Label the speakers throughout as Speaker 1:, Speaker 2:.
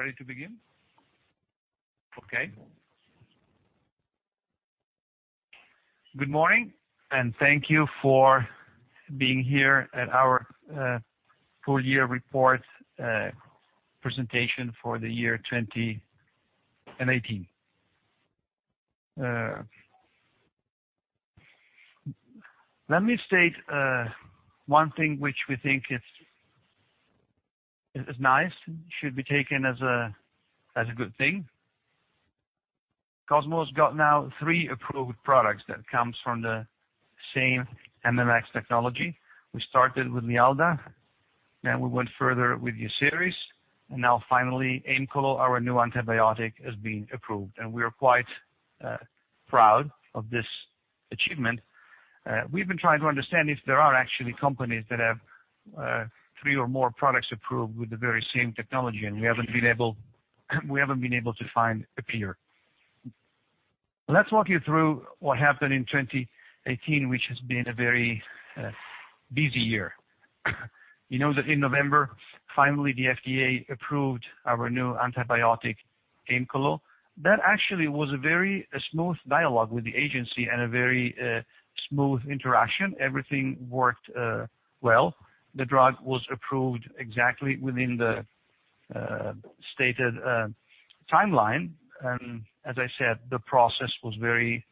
Speaker 1: Ready to begin? Good morning, and thank you for being here at our full year report presentation for the year 2018. Let me state one thing which we think is nice, should be taken as a good thing. Cosmo's got now three approved products that comes from the same MMX technology. We started with LIALDA, then we went further with Uceris, and now finally AEMCOLO, our new antibiotic, has been approved, and we are quite proud of this achievement. We've been trying to understand if there are actually companies that have three or more products approved with the very same technology, and we haven't been able to find a peer. Let's walk you through what happened in 2018, which has been a very busy year. You know that in November, finally the FDA approved our new antibiotic, AEMCOLO. That actually was a very smooth dialogue with the agency and a very smooth interaction. Everything worked well. The drug was approved exactly within the stated timeline, as I said, the process was very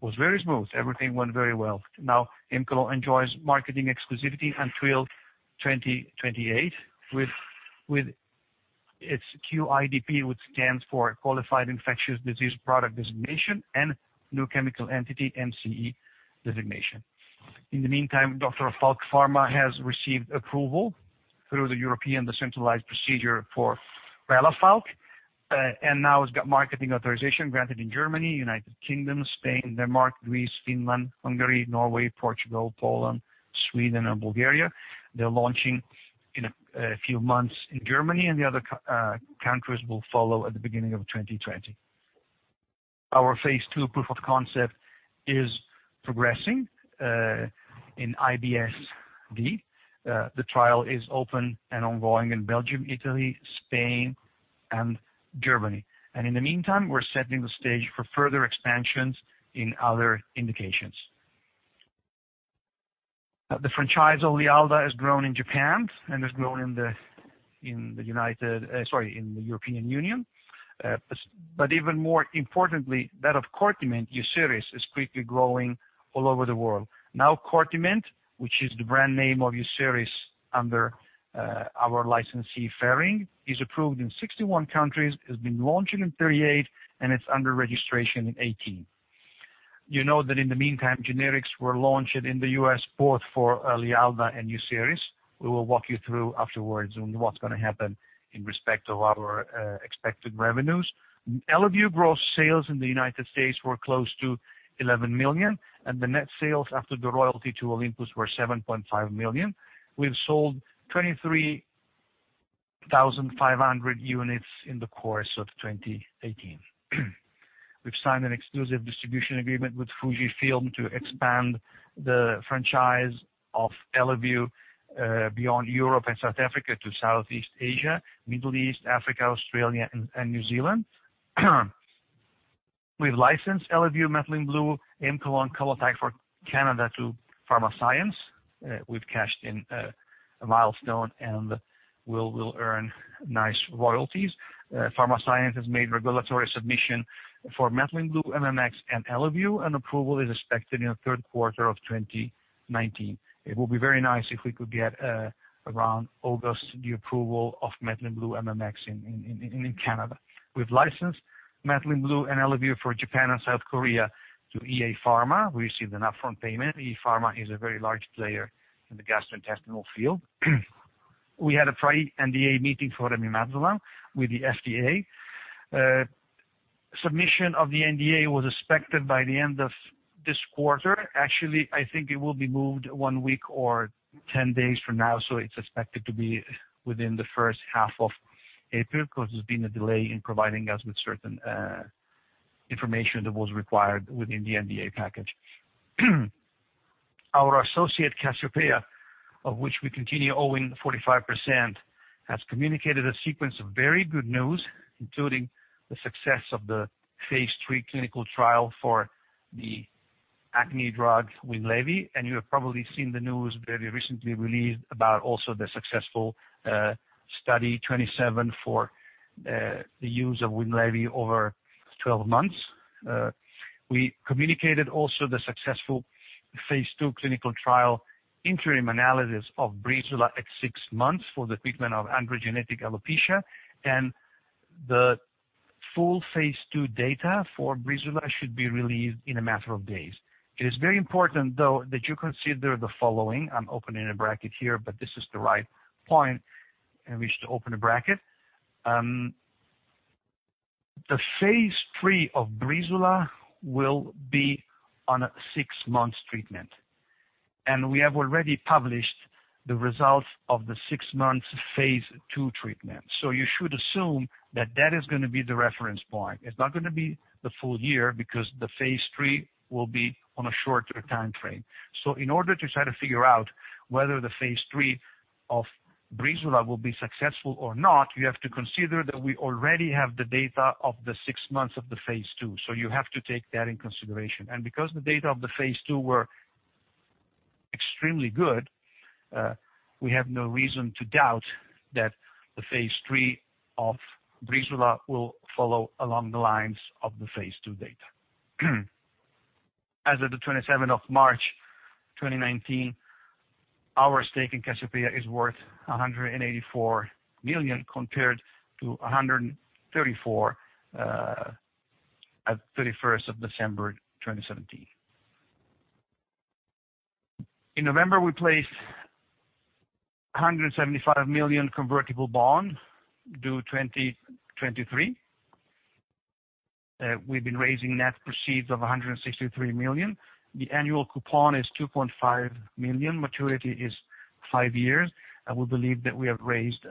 Speaker 1: smooth. Everything went very well. Now AEMCOLO enjoys marketing exclusivity until 2028 with its QIDP, which stands for Qualified Infectious Disease Product Designation, and New Chemical Entity, NCE designation. In the meantime, Dr. Falk Pharma has received approval through the European decentralized procedure for Relafalk, now it's got marketing authorization granted in Germany, United Kingdom, Spain, Denmark, Greece, Finland, Hungary, Norway, Portugal, Poland, Sweden, and Bulgaria. They're launching in a few months in Germany, and the other countries will follow at the beginning of 2020. Our phase II proof of concept is progressing, in IBS-D. The trial is open and ongoing in Belgium, Italy, Spain, and Germany. In the meantime, we're setting the stage for further expansions in other indications. The franchise of LIALDA has grown in Japan and has grown in the European Union. Even more importantly, that of CORTIMENT, Uceris, is quickly growing all over the world. Now CORTIMENT, which is the brand name of Uceris under our licensee, Ferring, is approved in 61 countries, has been launching in 38, and it's under registration in 18. You know that in the meantime, generics were launched in the U.S. both for LIALDA and Uceris. We will walk you through afterwards on what's going to happen in respect of our expected revenues. Eleview gross sales in the U.S. were close to 11 million, and the net sales after the royalty to Olympus were 7.5 million. We've sold 23,500 units in the course of 2018. We've signed an exclusive distribution agreement with FUJIFILM to expand the franchise of Eleview, beyond Europe and South Africa to Southeast Asia, Middle East, Africa, Australia, and New Zealand. We've licensed Eleview, Methylene Blue, AEMCOLO, and Colotag for Canada to Pharmascience. We've cashed in a milestone and we'll earn nice royalties. Pharmascience has made regulatory submission for Methylene Blue MMX, and Eleview, approval is expected in the third quarter of 2019. It will be very nice if we could get around August the approval of Methylene Blue MMX in Canada. We've licensed Methylene Blue and Eleview for Japan and South Korea to EA Pharma. We received an upfront payment. EA Pharma is a very large player in the gastrointestinal field. We had a Pre-NDA meeting for remimazolam with the FDA. Submission of the NDA was expected by the end of this quarter. I think it will be moved one week or 10 days from now, so it's expected to be within the first half of April because there's been a delay in providing us with certain information that was required within the NDA package. Our associate, Cassiopea, of which we continue owing 45%, has communicated a sequence of very good news, including the success of the phase III clinical trial for the acne drug, Winlevi. You have probably seen the news very recently released about also the successful Study 27 for the use of Winlevi over 12 months. We communicated also the successful phase II clinical trial interim analysis of Breezula at six months for the treatment of androgenetic alopecia, and the full phase II data for Breezula should be released in a matter of days. It is very important, though, that you consider the following. I'm opening a bracket here, this is the right point in which to open a bracket. The phase III of Breezula will be on a six-month treatment, and we have already published the results of the six months phase II treatment. You should assume that that is going to be the reference point. It's not going to be the full year because the phase III will be on a shorter time frame. In order to try to figure out whether the phase III of Breezula will be successful or not, you have to consider that we already have the data of the six months of the phase II. You have to take that into consideration. Because the data of the phase II were extremely good, we have no reason to doubt that the phase III of Breezula will follow along the lines of the phase II data. As of the 27th of March 2019, our stake in Cassiopea is worth 184 million compared to 134 million at 31st of December 2017. In November, we placed 175 million convertible bond due 2023. We've been raising net proceeds of 163 million. The annual coupon is 2.5 million. Maturity is five years. We believe that we have raised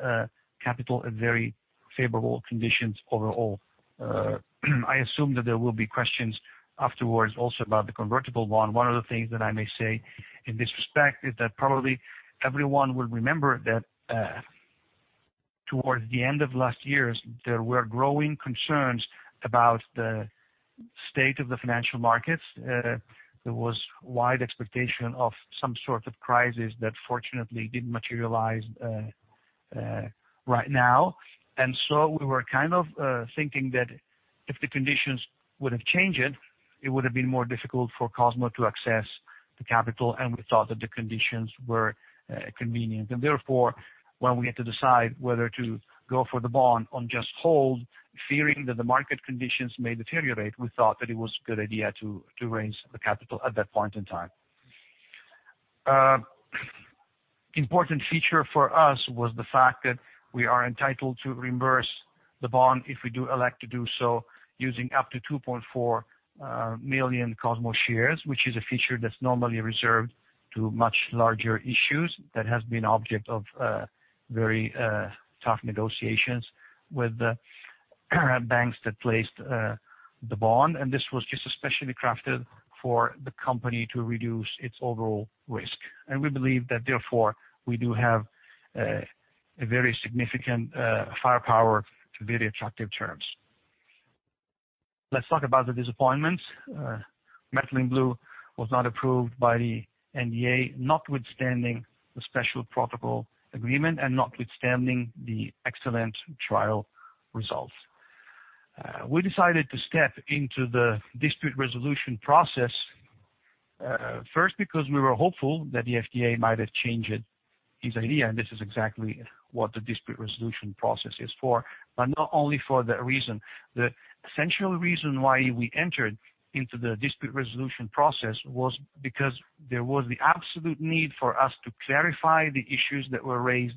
Speaker 1: capital at very favorable conditions overall. I assume that there will be questions afterwards also about the convertible bond. One of the things that I may say in this respect is that probably everyone will remember that towards the end of last year, there were growing concerns about the state of the financial markets. There was wide expectation of some sort of crisis that fortunately didn't materialize right now. We were kind of thinking that if the conditions would have changed, it would have been more difficult for Cosmo to access the capital, and we thought that the conditions were convenient. Therefore, when we had to decide whether to go for the bond on just hold, fearing that the market conditions may deteriorate, we thought that it was a good idea to raise the capital at that point in time. Important feature for us was the fact that we are entitled to reimburse the bond if we do elect to do so using up to 2.4 million Cosmo shares, which is a feature that's normally reserved to much larger issues. That has been object of very tough negotiations with banks that placed the bond. This was just especially crafted for the company to reduce its overall risk. We believe that therefore, we do have a very significant firepower to very attractive terms. Let's talk about the disappointments. Methylene Blue was not approved by the NDA, notwithstanding the special protocol agreement and notwithstanding the excellent trial results. We decided to step into the dispute resolution process, first, because we were hopeful that the FDA might have changed his idea, and this is exactly what the dispute resolution process is for, but not only for that reason. The essential reason why we entered into the dispute resolution process was because there was the absolute need for us to clarify the issues that were raised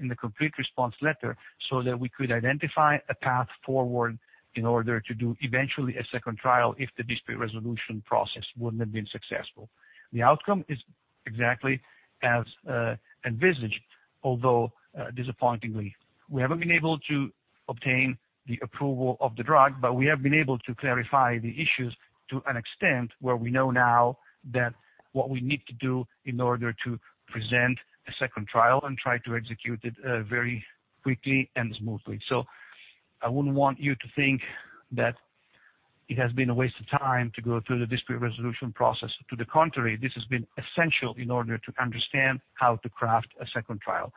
Speaker 1: in the complete response letter so that we could identify a path forward in order to do eventually a second trial if the dispute resolution process wouldn't have been successful. The outcome is exactly as envisaged, although disappointingly. We haven't been able to obtain the approval of the drug, but we have been able to clarify the issues to an extent where we know now that what we need to do in order to present a second trial and try to execute it very quickly and smoothly. I wouldn't want you to think that it has been a waste of time to go through the dispute resolution process. To the contrary, this has been essential in order to understand how to craft a second trial.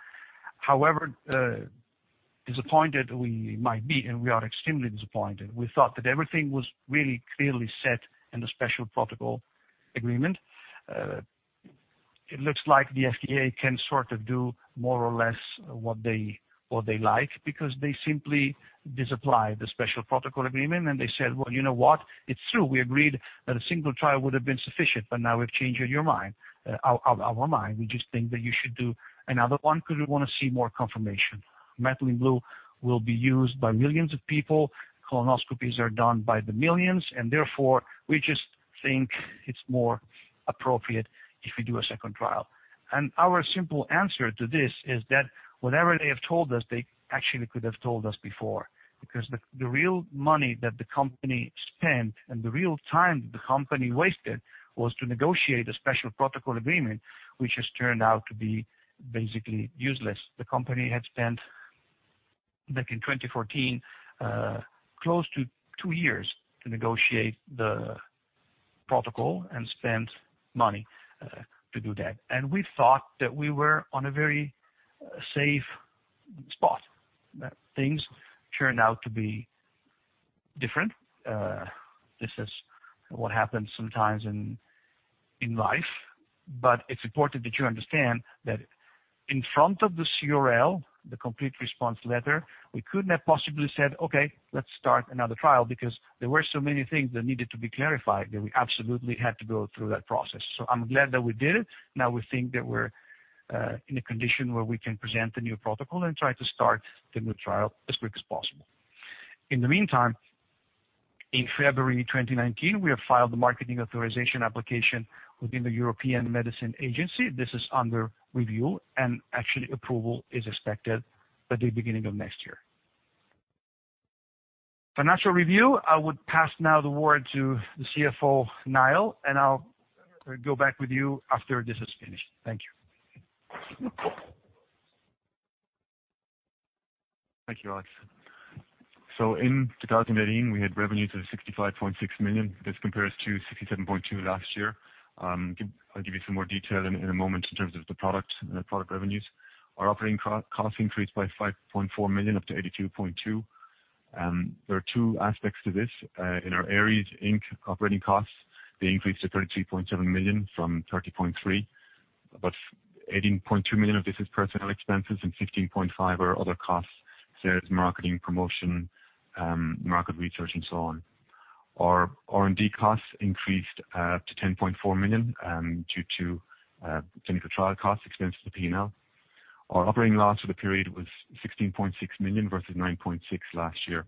Speaker 1: However disappointed we might be, and we are extremely disappointed. We thought that everything was really clearly set in the special protocol agreement. It looks like the FDA can sort of do more or less what they like because they simply disapplied the special protocol agreement and they said, "Well, you know what? It's true. We agreed that a single trial would have been sufficient, but now we've changed our mind. We just think that you should do another one because we want to see more confirmation. Methylene Blue will be used by millions of people. Colonoscopies are done by the millions. Therefore, we just think it's more appropriate if we do a second trial." Our simple answer to this is that whatever they have told us, they actually could have told us before. Because the real money that the company spent and the real time that the company wasted was to negotiate a special protocol agreement, which has turned out to be basically useless. The company had spent, back in 2014, close to two years to negotiate the protocol and spent money to do that. We thought that we were on a very safe spot. Things turned out to be different. This is what happens sometimes in life. It's important that you understand that in front of the CRL, the complete response letter, we couldn't have possibly said, "Okay, let's start another trial," because there were so many things that needed to be clarified that we absolutely had to go through that process. I'm glad that we did it. Now we think that we're in a condition where we can present the new protocol and try to start the new trial as quick as possible. In February 2019, we have filed the marketing authorization application within the European Medicines Agency. This is under review and approval is expected by the beginning of next year. Financial review, I would pass now the word to the CFO, Niall, and I'll go back with you after this is finished. Thank you.
Speaker 2: Thank you, Alex. In 2018, we had revenues of 65.6 million. This compares to 67.2 million last year. I'll give you some more detail in a moment in terms of the product and the product revenues. Our operating cost increased by 5.4 million, up to 82.2 million. There are two aspects to this. In our Aries Inc. operating costs, they increased to 33.7 million from 30.3 million. About 18.2 million of this is personnel expenses and 15.5 million are other costs, sales, marketing, promotion, market research and so on. Our R&D costs increased to 10.4 million due to clinical trial costs expense to P&L. Our operating loss for the period was 16.6 million versus 9.6 last year.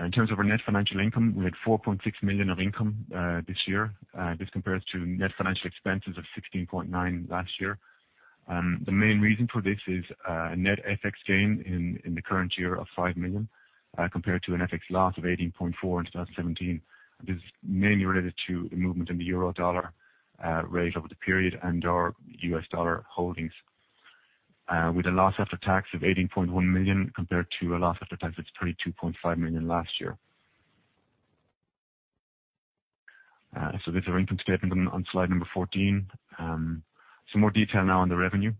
Speaker 2: In terms of our net financial income, we had 4.6 million of income this year. This compares to net financial expenses of 16.9 last year. The main reason for this is a net FX gain in the current year of 5 million, compared to an FX loss of 18.4 in 2017. This is mainly related to the movement in the euro-dollar rate over the period and our U.S. dollar holdings. With a loss after tax of 18.1 million compared to a loss after tax of 32.5 million last year. This is our income statement on slide number 14. Some more detail now on the revenue.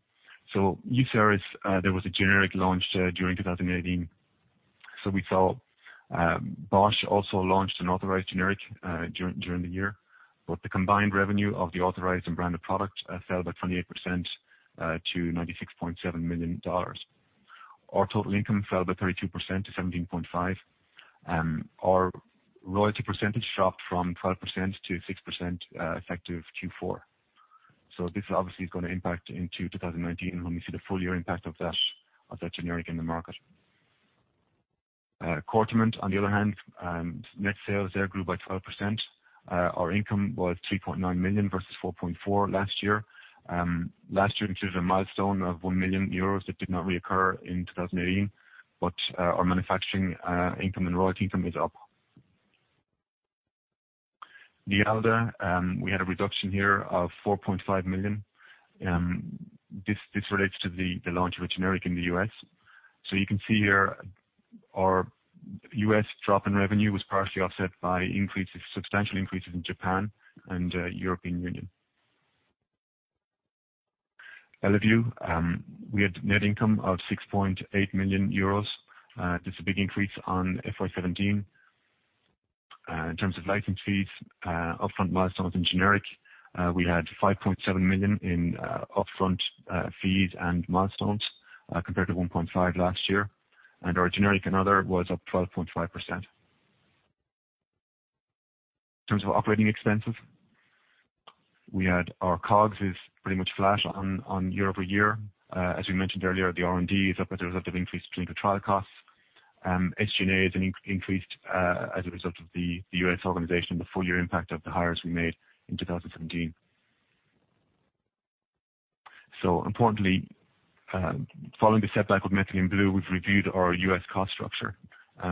Speaker 2: Uceris, there was a generic launch during 2018. We saw Bausch also launched an authorized generic during the year. The combined revenue of the authorized and branded product fell by 28% to $96.7 million. Our total income fell by 32% to $17.5. Our royalty percentage dropped from 12%-6% effective Q4. This obviously is going to impact into 2019 when we see the full year impact of that generic in the market. CORTIMENT, on the other hand, net sales there grew by 12%. Our income was 3.9 million versus 4.4 last year. Last year included a milestone of 1 million euros that did not reoccur in 2018, but our manufacturing income and royalty income is up. LIALDA, we had a reduction here of 4.5 million. This relates to the launch of a generic in the U.S. You can see here our U.S. drop in revenue was partially offset by substantial increases in Japan and European Union. Eleview, we had net income of 6.8 million euros. This is a big increase on FY 2017. In terms of license fees, upfront milestones in generic, we had 5.7 million in upfront fees and milestones, compared to 1.5 million last year. Our generic and other was up 12.5%. In terms of operating expenses, our COGS is pretty much flat year-over-year. As we mentioned earlier, R&D is up as a result of increased clinical trial costs. SG&A has increased as a result of the U.S. organization and the full year impact of the hires we made in 2017. Importantly, following the setback with Methylene Blue, we've reviewed our U.S. cost structure.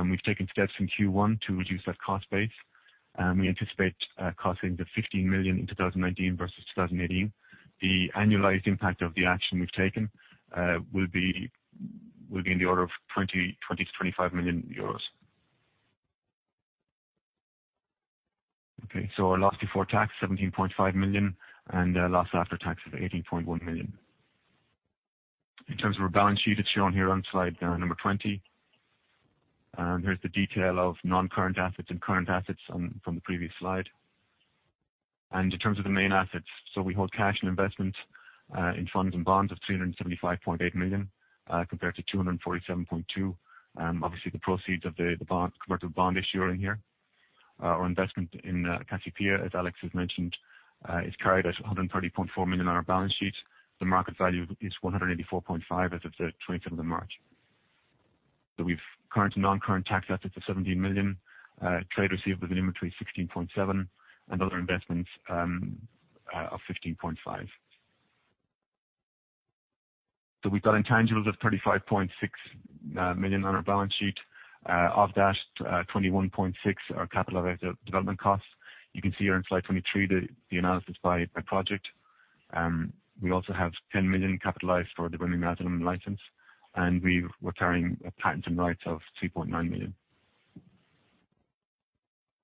Speaker 2: We've taken steps in Q1 to reduce that cost base. We anticipate costs of 15 million in 2019 versus 2018. The annualized impact of the action we've taken will be in the order of 20 million-25 million euros. Our loss before tax, 17.5 million, and loss after tax of 18.1 million. In terms of our balance sheet, it's shown here on slide number 20. Here's the detail of non-current assets and current assets from the previous slide. In terms of the main assets, we hold cash and investment in funds and bonds of 375.8 million compared to 247.2 million. Obviously, the proceeds of the convertible bond issue are in here. Our investment in Cassiopea, as Alex has mentioned, is carried at 130.4 million on our balance sheet. The market value is 184.5 million as of 27th March. We've current and non-current tax assets of 17 million, trade receivable and inventory 16.7 million, and other investments of 15.5 million. We've got intangibles of 35.6 million on our balance sheet. Of that, 21.6 million are capitalized development costs. You can see here on slide 23 the analysis by project. We also have 10 million capitalized for the brimonidine license, and we're carrying patent and rights of 3.9 million. In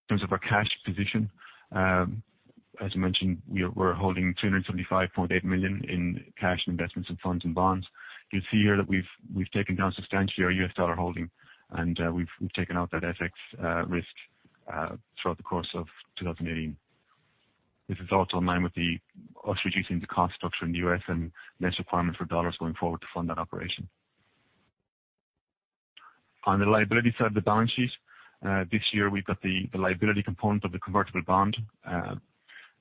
Speaker 2: terms of our cash position, as I mentioned, we're holding 375.8 million in cash and investments in funds and bonds. You'll see here that we've taken down substantially our U.S. dollar holding, and we've taken out that FX risk throughout the course of 2018. This is also in line with us reducing the cost structure in the U.S. and less requirement for dollars going forward to fund that operation. On the liability side of the balance sheet, this year we've got the liability component of the convertible bond.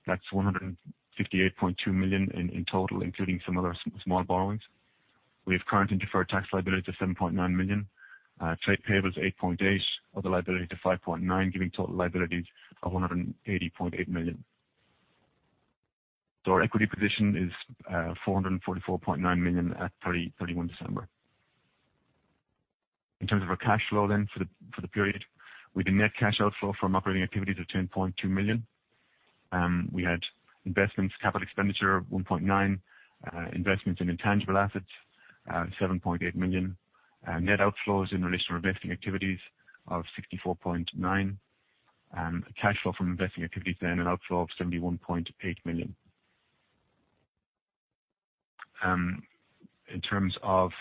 Speaker 2: That's 158.2 million in total, including some other small borrowings. We have current and deferred tax liability to 7.9 million. Trade payables 8.8 million, other liability to 5.9 million, giving total liabilities of 180.8 million. Our equity position is 444.9 million at 31 December. In terms of our cash flow for the period, we've a net cash outflow from operating activities of 10.2 million. We had investments capital expenditure of 1.9 million, investments in intangible assets 7.8 million. Net outflows in relation to investing activities of 64.9 million. Cash flow from investing activities an outflow of 71.8 million. In terms of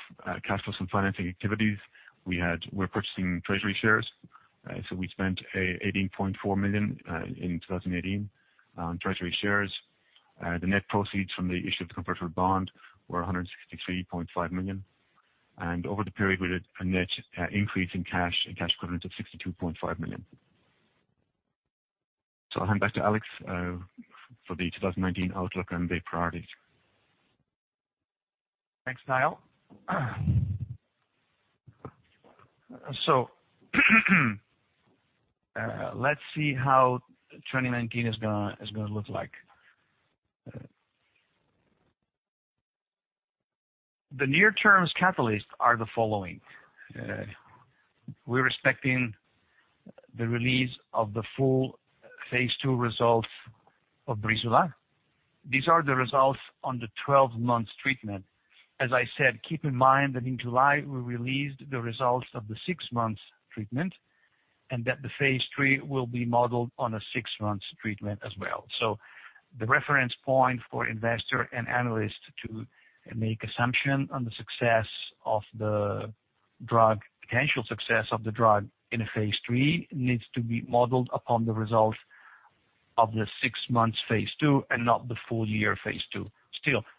Speaker 2: cash flows and financing activities, we're purchasing treasury shares. We spent 18.4 million in 2018 on treasury shares. The net proceeds from the issue of the convertible bond were 163.5 million. Over the period we had a net increase in cash and cash equivalent of 62.5 million. I'll hand back to Alex for the 2019 outlook and main priorities.
Speaker 1: Thanks, Niall. Let's see how 2019 is going to look like. The near-term catalysts are the following. We're expecting the release of the full phase II results of Breezula. These are the results on the 12-month treatment. As I said, keep in mind that in July we released the results of the six-month treatment and that the phase III will be modeled on a six-month treatment as well. The reference point for investor and analyst to make assumption on the success of the drug, potential success of the drug in a phase III needs to be modeled upon the results of the six-month phase II and not the full-year phase II.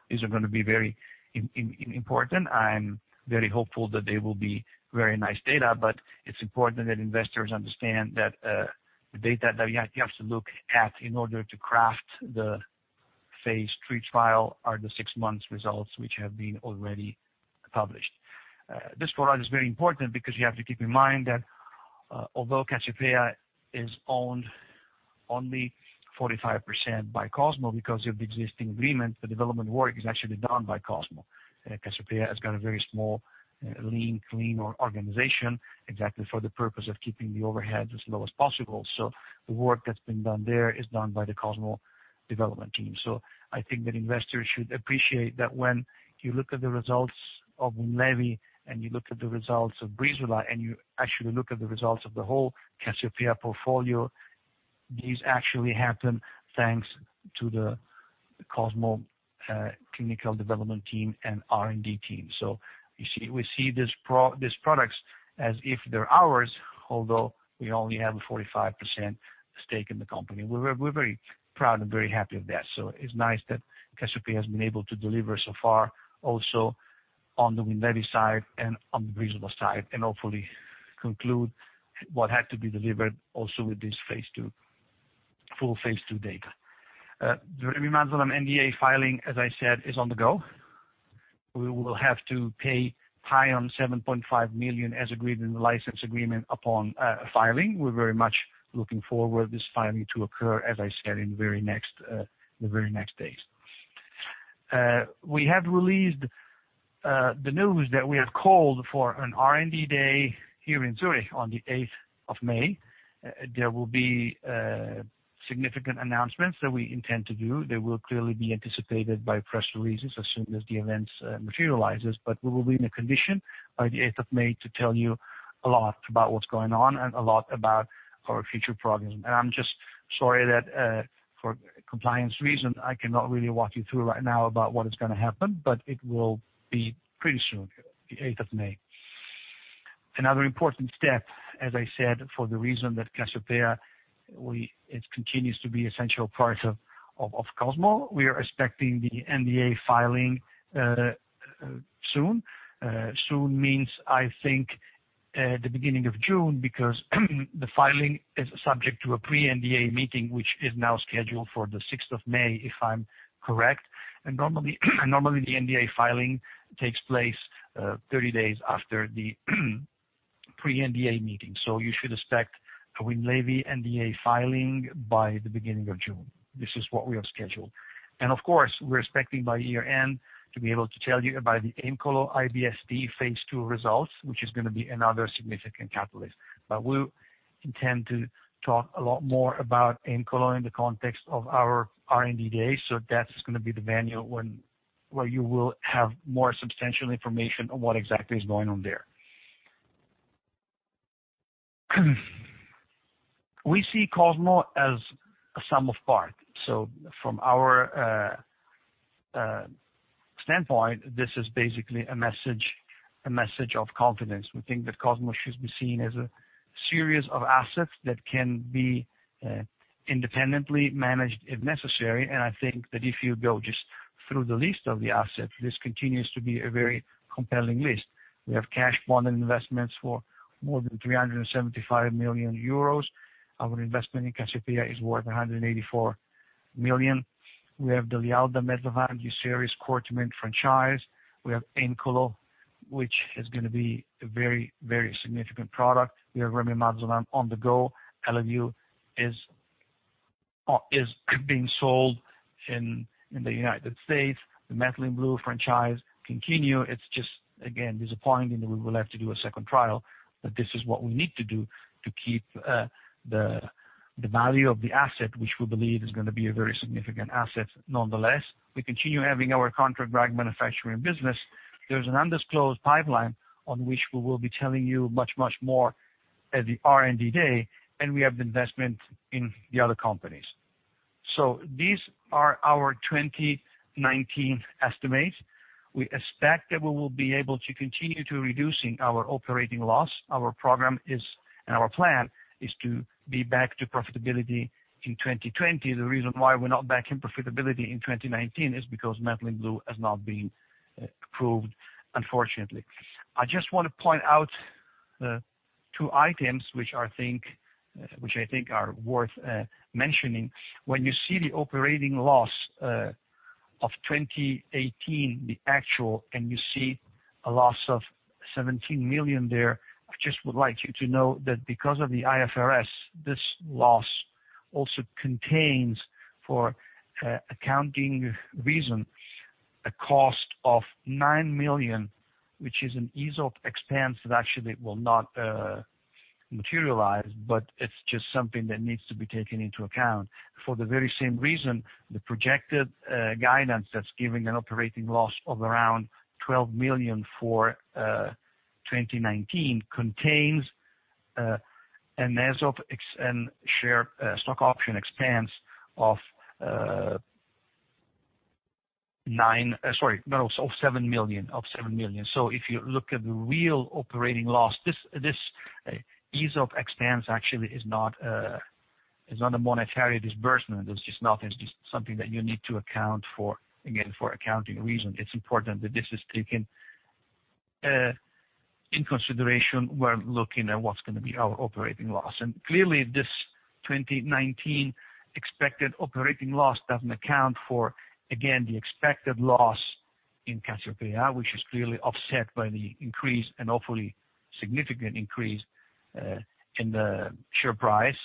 Speaker 1: These are going to be very important. I'm very hopeful that they will be very nice data, it's important that investors understand that the data that you have to look at in order to craft the phase III trial are the six-month results which have been already published. This product is very important because you have to keep in mind that although Cassiopea is owned only 45% by Cosmo because of the existing agreement, the development work is actually done by Cosmo. Cassiopea has got a very small, lean, clean organization exactly for the purpose of keeping the overhead as low as possible. The work that's been done there is done by the Cosmo development team. I think that investors should appreciate that when you look at the results of Winlevi and you look at the results of Breezula and you actually look at the results of the whole Cassiopea portfolio, these actually happen thanks to the Cosmo clinical development team and R&D team. We see these products as if they're ours, although we only have a 45% stake in the company. We're very proud and very happy of that. It's nice that Cassiopea has been able to deliver so far also on the Winlevi side and on the Breezula side and hopefully conclude what had to be delivered also with this full phase II data. The remimazolam NDA filing, as I said, is on the go. We will have to pay high on 7.5 million as agreed in the license agreement upon filing. We're very much looking forward this filing to occur, as I said, in the very next days. We have released the news that we have called for an R&D day here in Zurich on the 8th of May. There will be significant announcements that we intend to do. They will clearly be anticipated by press releases as soon as the events materializes, but we will be in a condition by the 8th of May to tell you a lot about what's going on and a lot about our future progress. I'm just sorry that for compliance reason, I cannot really walk you through right now about what is going to happen, but it will be pretty soon, the 8th of May. Another important step, as I said, for the reason that Cassiopea it continues to be essential part of Cosmo. We are expecting the NDA filing soon. Soon means, I think, the beginning of June because the filing is subject to a Pre-NDA meeting which is now scheduled for the 6th of May if I'm correct. Normally, the NDA filing takes place 30 days after the Pre-NDA meeting. You should expect a Winlevi NDA filing by the beginning of June. This is what we have scheduled. Of course, we're expecting by year-end to be able to tell you about the AEMCOLO IBS-D phase II results, which is going to be another significant catalyst. We intend to talk a lot more about AEMCOLO in the context of our R&D day. That's going to be the venue where you will have more substantial information on what exactly is going on there. We see Cosmo as a sum of parts. From our standpoint, this is basically a message of confidence. We think that Cosmo should be seen as a series of assets that can be independently managed if necessary. I think that if you go just through the list of the assets, this continues to be a very compelling list. We have cash, bond, and investments for more than 375 million euros. Our investment in Cassiopea is worth 184 million. We have the LIALDA, mesalamine, series core to main franchise. We have AEMCOLO, which is going to be a very significant product. We have remimazolam on the go. Eleview is being sold in the United States. The Methylene Blue franchise continue. It's just, again, disappointing that we will have to do a second trial, but this is what we need to do to keep the value of the asset, which we believe is going to be a very significant asset nonetheless. We continue having our contract manufacturing business. There's an undisclosed pipeline on which we will be telling you much more at the R&D day, and we have investment in the other companies. These are our 2019 estimates. We expect that we will be able to continue to reducing our operating loss. Our program and our plan is to be back to profitability in 2020. The reason why we're not back in profitability in 2019 is because Methylene Blue has not been approved, unfortunately. I just want to point out two items, which I think are worth mentioning. When you see the operating loss of 2018, the actual, and you see a loss of 17 million there, I just would like you to know that because of the IFRS, this loss also contains, for accounting reason, a cost of 9 million, which is an ESOP expense that actually will not materialize. It's just something that needs to be taken into account. For the very same reason, the projected guidance that's giving an operating loss of around 12 million for 2019 contains an ESOP and stock option expense of 7 million. If you look at the real operating loss, this ESOP expense actually is not a monetary disbursement. It's just something that you need to account for, again, for accounting reason. It's important that this is taken in consideration when looking at what's going to be our operating loss. Clearly this 2019 expected operating loss doesn't account for, again, the expected loss in Cassiopea, which is clearly offset by the increase and hopefully significant increase in the share price.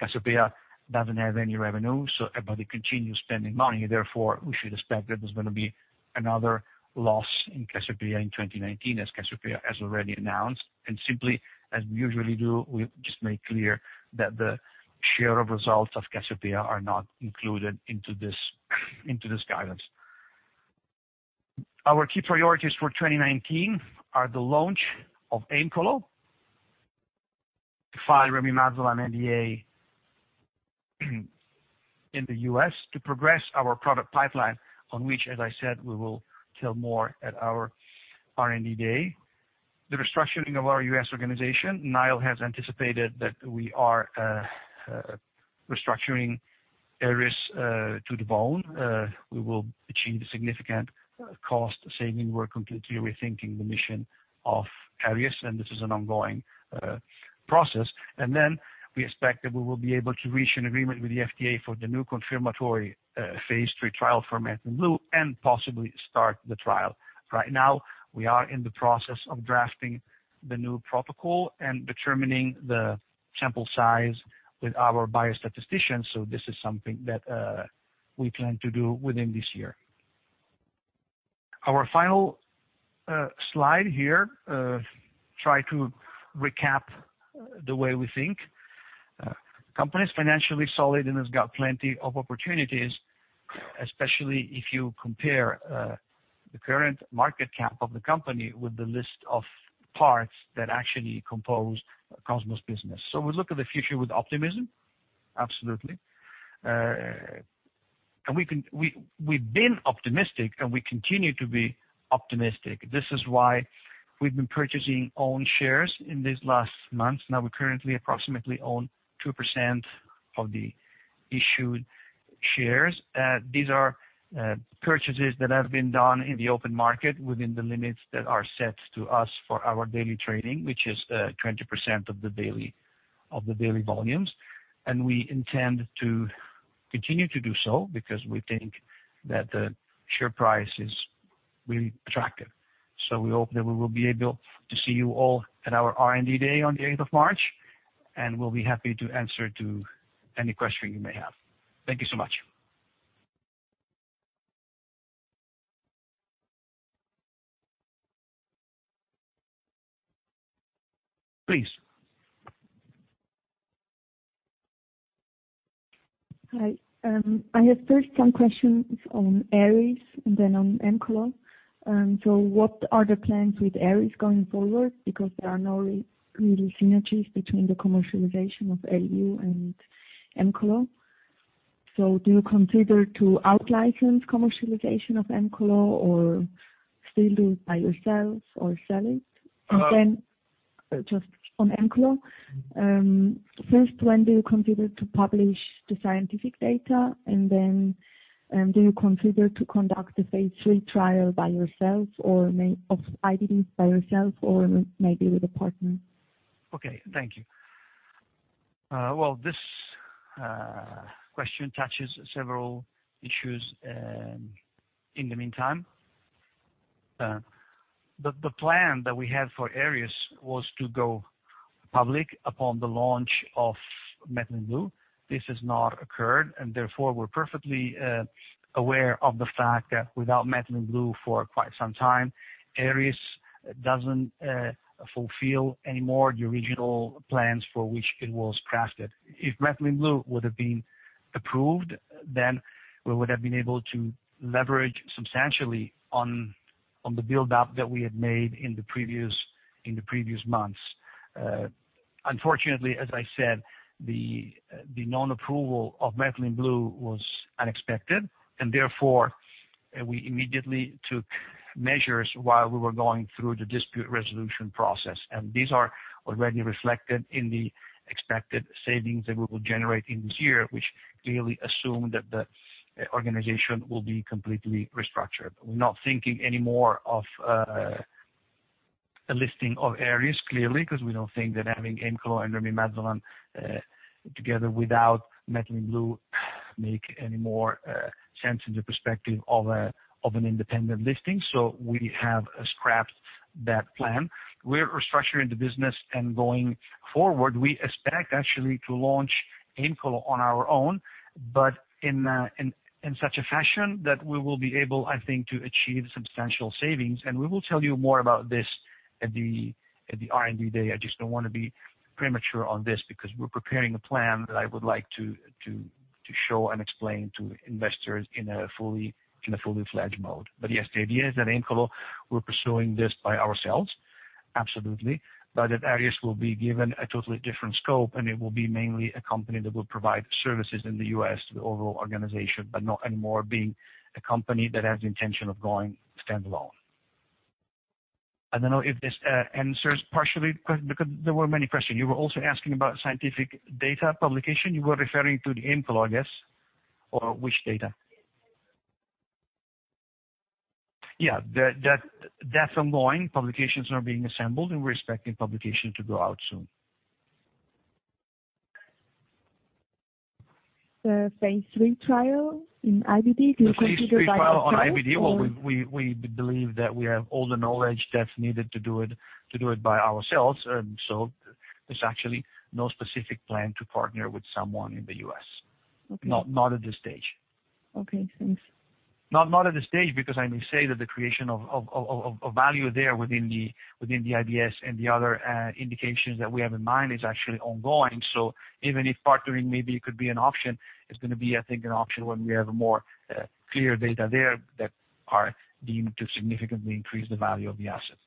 Speaker 1: Cassiopea doesn't have any revenue. Everybody continues spending money. We should expect that there's going to be another loss in Cassiopea in 2019, as Cassiopea has already announced. Simply, as we usually do, we just make clear that the share of results of Cassiopea are not included into this guidance. Our key priorities for 2019 are the launch of AEMCOLO, to file remimazolam NDA in the U.S., to progress our product pipeline on which, as I said, we will tell more at our R&D day. The restructuring of our U.S. organization. Niall has anticipated that we are restructuring Aries to the bone. We will achieve a significant cost saving. We're completely rethinking the mission of Aries, and this is an ongoing process. We expect that we will be able to reach an agreement with the FDA for the new confirmatory phase III trial for Methylene Blue, and possibly start the trial. Right now, we are in the process of drafting the new protocol and determining the sample size with our biostatistician. This is something that we plan to do within this year. Our final slide here, try to recap the way we think. The company is financially solid and has got plenty of opportunities, especially if you compare the current market cap of the company with the list of parts that actually compose Cosmo's business. We look at the future with optimism. Absolutely. We've been optimistic, and we continue to be optimistic. This is why we've been purchasing own shares in these last months. Now we currently approximately own 2% of the issued shares. These are purchases that have been done in the open market within the limits that are set to us for our daily trading, which is 20% of the daily volumes. We intend to continue to do so because we think that the share price is really attractive. We hope that we will be able to see you all at our R&D day on the 8th of March, and we'll be happy to answer to any question you may have. Thank you so much. Please.
Speaker 3: Hi. I have first some questions on Aries and then on AEMCOLO. What are the plans with Aries going forward? Because there are no really synergies between the commercialization of Eleview and AEMCOLO. Do you consider to out-license commercialization of AEMCOLO or still do it by yourself or sell it? Just on AEMCOLO, first, when do you consider to publish the scientific data? Do you consider to conduct the phase III trial by yourself, or maybe with a partner?
Speaker 1: Okay, thank you. Well, this question touches several issues in the meantime. The plan that we had for Aries was to go public upon the launch of Methylene Blue. This has not occurred, and therefore we're perfectly aware of the fact that without Methylene Blue for quite some time, Aries doesn't fulfill any more the original plans for which it was crafted. If Methylene Blue would have been approved, then we would have been able to leverage substantially on the buildup that we had made in the previous months. Unfortunately, as I said, the non-approval of Methylene Blue was unexpected, and therefore, we immediately took measures while we were going through the dispute resolution process. These are already reflected in the expected savings that we will generate in this year, which clearly assume that the organization will be completely restructured. We're not thinking any more of a listing of Aries, clearly, because we don't think that having AEMCOLO and remimazolam together without Methylene Blue make any more sense in the perspective of an independent listing. We have scrapped that plan. We're restructuring the business and going forward. We expect actually to launch AEMCOLO on our own, but in such a fashion that we will be able, I think, to achieve substantial savings. We will tell you more about this at the R&D Day. I just don't want to be premature on this because we're preparing a plan that I would like to show and explain to investors in a fully-fledged mode. Yes, the idea is that AEMCOLO, we're pursuing this by ourselves, absolutely, but that Aries will be given a totally different scope, and it will be mainly a company that will provide services in the U.S. to the overall organization, but not anymore being a company that has the intention of going standalone. I don't know if this answers partially because there were many questions. You were also asking about scientific data publication. You were referring to the AEMCOLO, I guess, or which data? Yeah. That's ongoing. Publications are being assembled and we're expecting publication to go out soon.
Speaker 3: The phase III trial in IBD, do you consider-
Speaker 1: The phase III trial on IBD, well, we believe that we have all the knowledge that's needed to do it by ourselves. There's actually no specific plan to partner with someone in the U.S.
Speaker 3: Okay.
Speaker 1: Not at this stage.
Speaker 3: Okay, thanks.
Speaker 1: Not at this stage because I may say that the creation of value there within the IBS and the other indications that we have in mind is actually ongoing. Even if partnering maybe could be an option, it's going to be, I think, an option when we have a more clear data there that are deemed to significantly increase the value of the asset.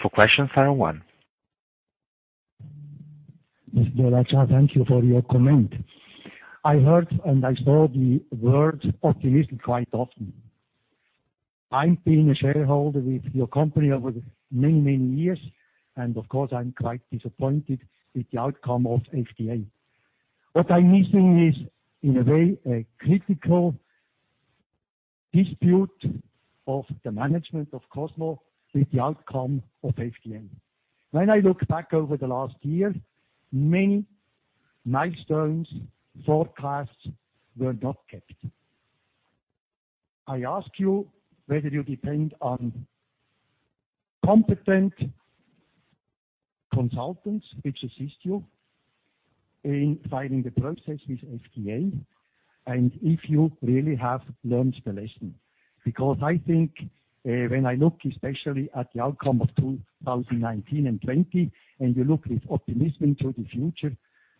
Speaker 4: For question, line one.
Speaker 3: Mr. Della Chà, thank you for your comment. I heard and I saw the word optimism quite often. I am being a shareholder with your company over many years, and of course, I am quite disappointed with the outcome of FDA. What I am missing is, in a way, a critical dispute of the management of Cosmo with the outcome of FDA. When I look back over the last year, many milestones, forecasts were not kept. I ask you whether you depend on competent consultants which assist you in filing the process with FDA, and if you really have learned the lesson. I think when I look especially at the outcome of 2019 and 2020, and you look with optimism into the future,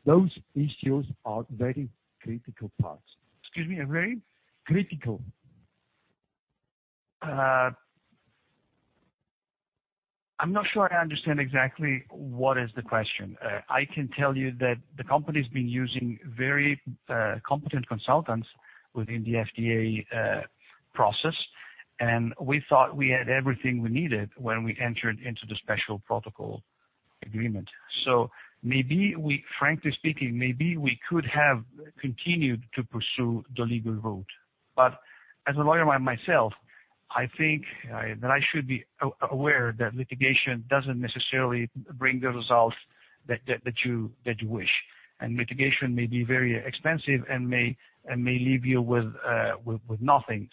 Speaker 3: those issues are very critical parts.
Speaker 1: Excuse me, are very?
Speaker 3: Critical.
Speaker 1: I am not sure I understand exactly what is the question. I can tell you that the company has been using very competent consultants within the FDA process, and we thought we had everything we needed when we entered into the special protocol agreement. Frankly speaking, maybe we could have continued to pursue the legal route. As a lawyer myself, I think that I should be aware that litigation doesn't necessarily bring the results that you wish. Litigation may be very expensive and may leave you with nothing.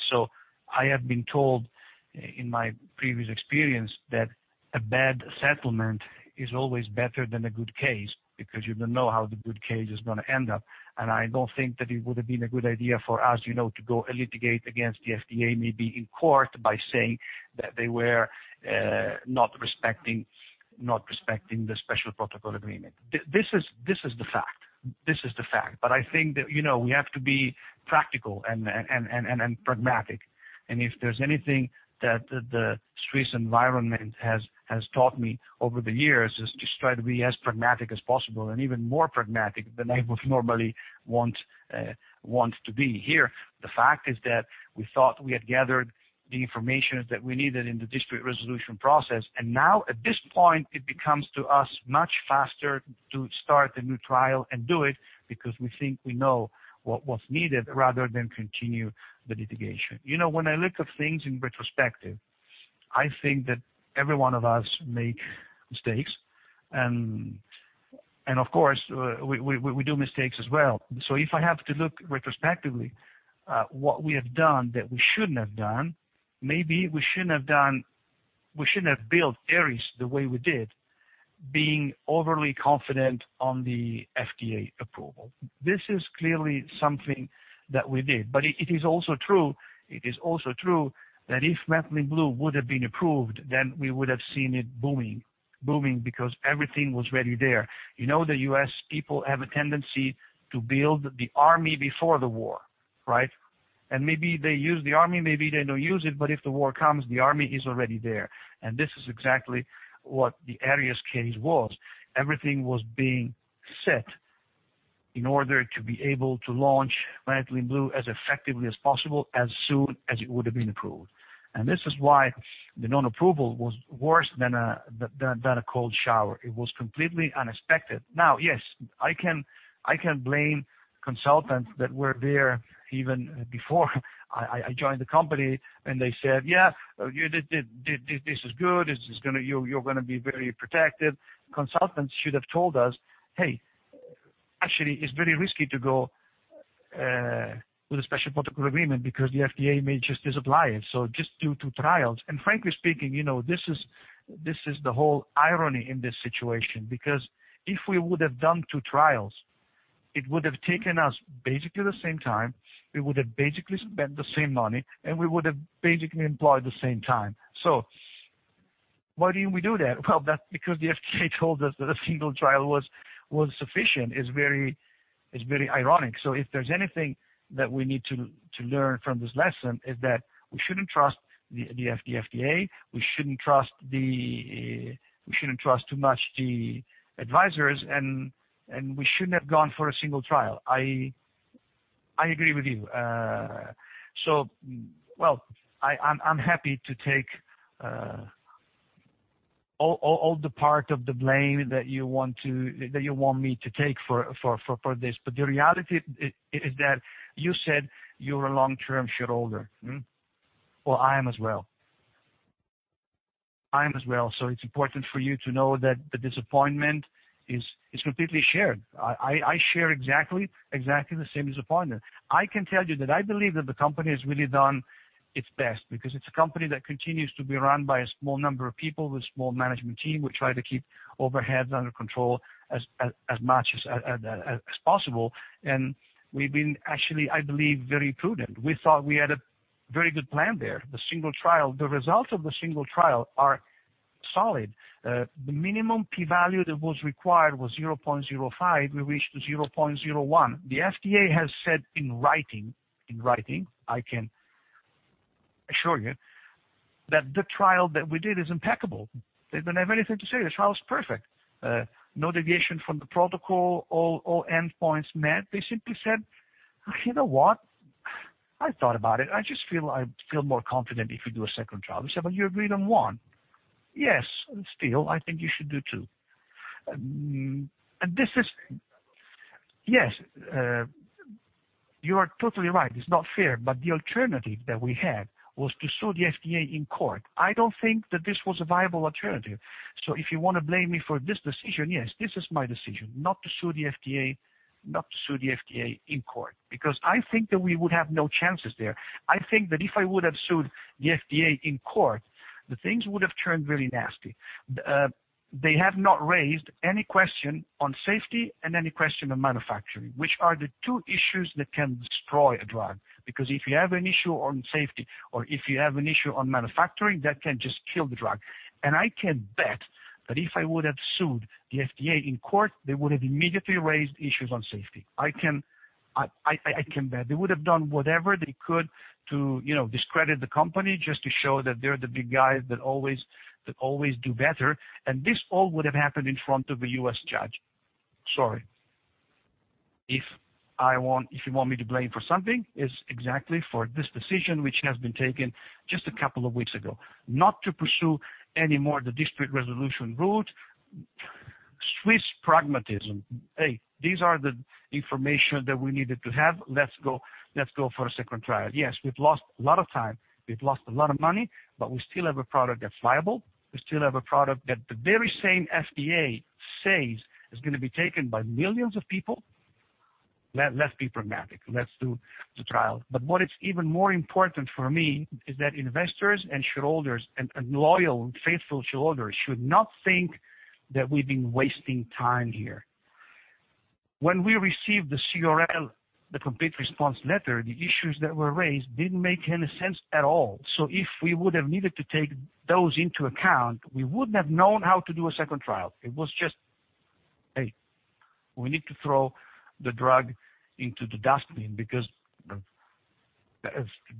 Speaker 1: I have been told in my previous experience that a bad settlement is always better than a good case because you don't know how the good case is going to end up. I don't think that it would have been a good idea for us to go and litigate against the FDA, maybe in court by saying that they were not respecting the Special Protocol Agreement. This is the fact. I think that we have to be practical and pragmatic. If there's anything that the Swiss environment has taught me over the years is to try to be as pragmatic as possible and even more pragmatic than I would normally want to be here. The fact is that we thought we had gathered the information that we needed in the dispute resolution process. Now at this point, it becomes to us much faster to start a new trial and do it because we think we know what was needed rather than continue the litigation. When I look at things in retrospective, I think that every one of us make mistakes, and of course, we do mistakes as well. If I have to look retrospectively at what we have done that we shouldn't have done, maybe we shouldn't have built Aries the way we did, being overly confident on the FDA approval. This is clearly something that we did. It is also true that if Methylene Blue would have been approved, then we would have seen it booming. Booming because everything was already there. You know the U.S. people have a tendency to build the army before the war, right? Maybe they use the army, maybe they don't use it, but if the war comes, the army is already there. This is exactly what the Aries case was. Everything was being set in order to be able to launch Methylene Blue as effectively as possible, as soon as it would have been approved. This is why the non-approval was worse than a cold shower. It was completely unexpected. Yes, I can blame consultants that were there even before I joined the company, and they said, "Yeah, this is good. You're going to be very protected." Consultants should have told us, "Hey, actually, it's very risky to go with a Special Protocol Agreement because the FDA may just disapply it." Just do two trials. Frankly speaking, this is the whole irony in this situation, because if we would have done two trials, it would have taken us basically the same time, we would have basically spent the same money, and we would have basically employed the same time. Why didn't we do that? That's because the FDA told us that a single trial was sufficient. It's very ironic. If there's anything that we need to learn from this lesson, is that we shouldn't trust the FDA, we shouldn't trust too much the advisors, and we shouldn't have gone for a single trial. I agree with you. Well, I'm happy to take all the part of the blame that you want me to take for this. The reality is that you said you're a long-term shareholder. I am as well. I am as well. It's important for you to know that the disappointment is completely shared. I share exactly the same disappointment. I can tell you that I believe that the company has really done its best, because it's a company that continues to be run by a small number of people with small management team. We try to keep overheads under control as much as possible. We've been actually, I believe, very prudent. We thought we had a very good plan there. The single trial. The results of the single trial are solid. The minimum P value that was required was 0.05. We reached 0.01. The FDA has said in writing, I can assure you, that the trial that we did is impeccable. They don't have anything to say. The trial is perfect. No deviation from the protocol. All endpoints met. They simply said, "You know what? I thought about it. I just feel more confident if we do a second trial." We said, "You agreed on one." "Yes. Still, I think you should do two." Yes, you are totally right. It's not fair, but the alternative that we had was to sue the FDA in court. I don't think that this was a viable alternative. If you want to blame me for this decision, yes, this is my decision, not to sue the FDA in court. I think that we would have no chances there. I think that if I would have sued the FDA in court, the things would have turned really nasty. They have not raised any question on safety and any question on manufacturing, which are the two issues that can destroy a drug. Because if you have an issue on safety or if you have an issue on manufacturing, that can just kill the drug. I can bet that if I would have sued the FDA in court, they would have immediately raised issues on safety. I can bet. They would have done whatever they could to discredit the company, just to show that they're the big guys that always do better. This all would have happened in front of a U.S. judge. Sorry. If you want me to blame for something, it's exactly for this decision, which has been taken just a couple of weeks ago, not to pursue any more the dispute resolution route. Swiss pragmatism. Hey, these are the information that we needed to have. Let's go for a second trial. Yes, we've lost a lot of time. We've lost a lot of money. We still have a product that's viable. We still have a product that the very same FDA says is going to be taken by millions of people. Let's be pragmatic. Let's do the trial. What is even more important for me is that investors and shareholders and loyal, faithful shareholders should not think that we've been wasting time here. When we received the CRL, the complete response letter, the issues that were raised didn't make any sense at all. If we would have needed to take those into account, we wouldn't have known how to do a second trial. It was just, "Hey, we need to throw the drug into the dustbin because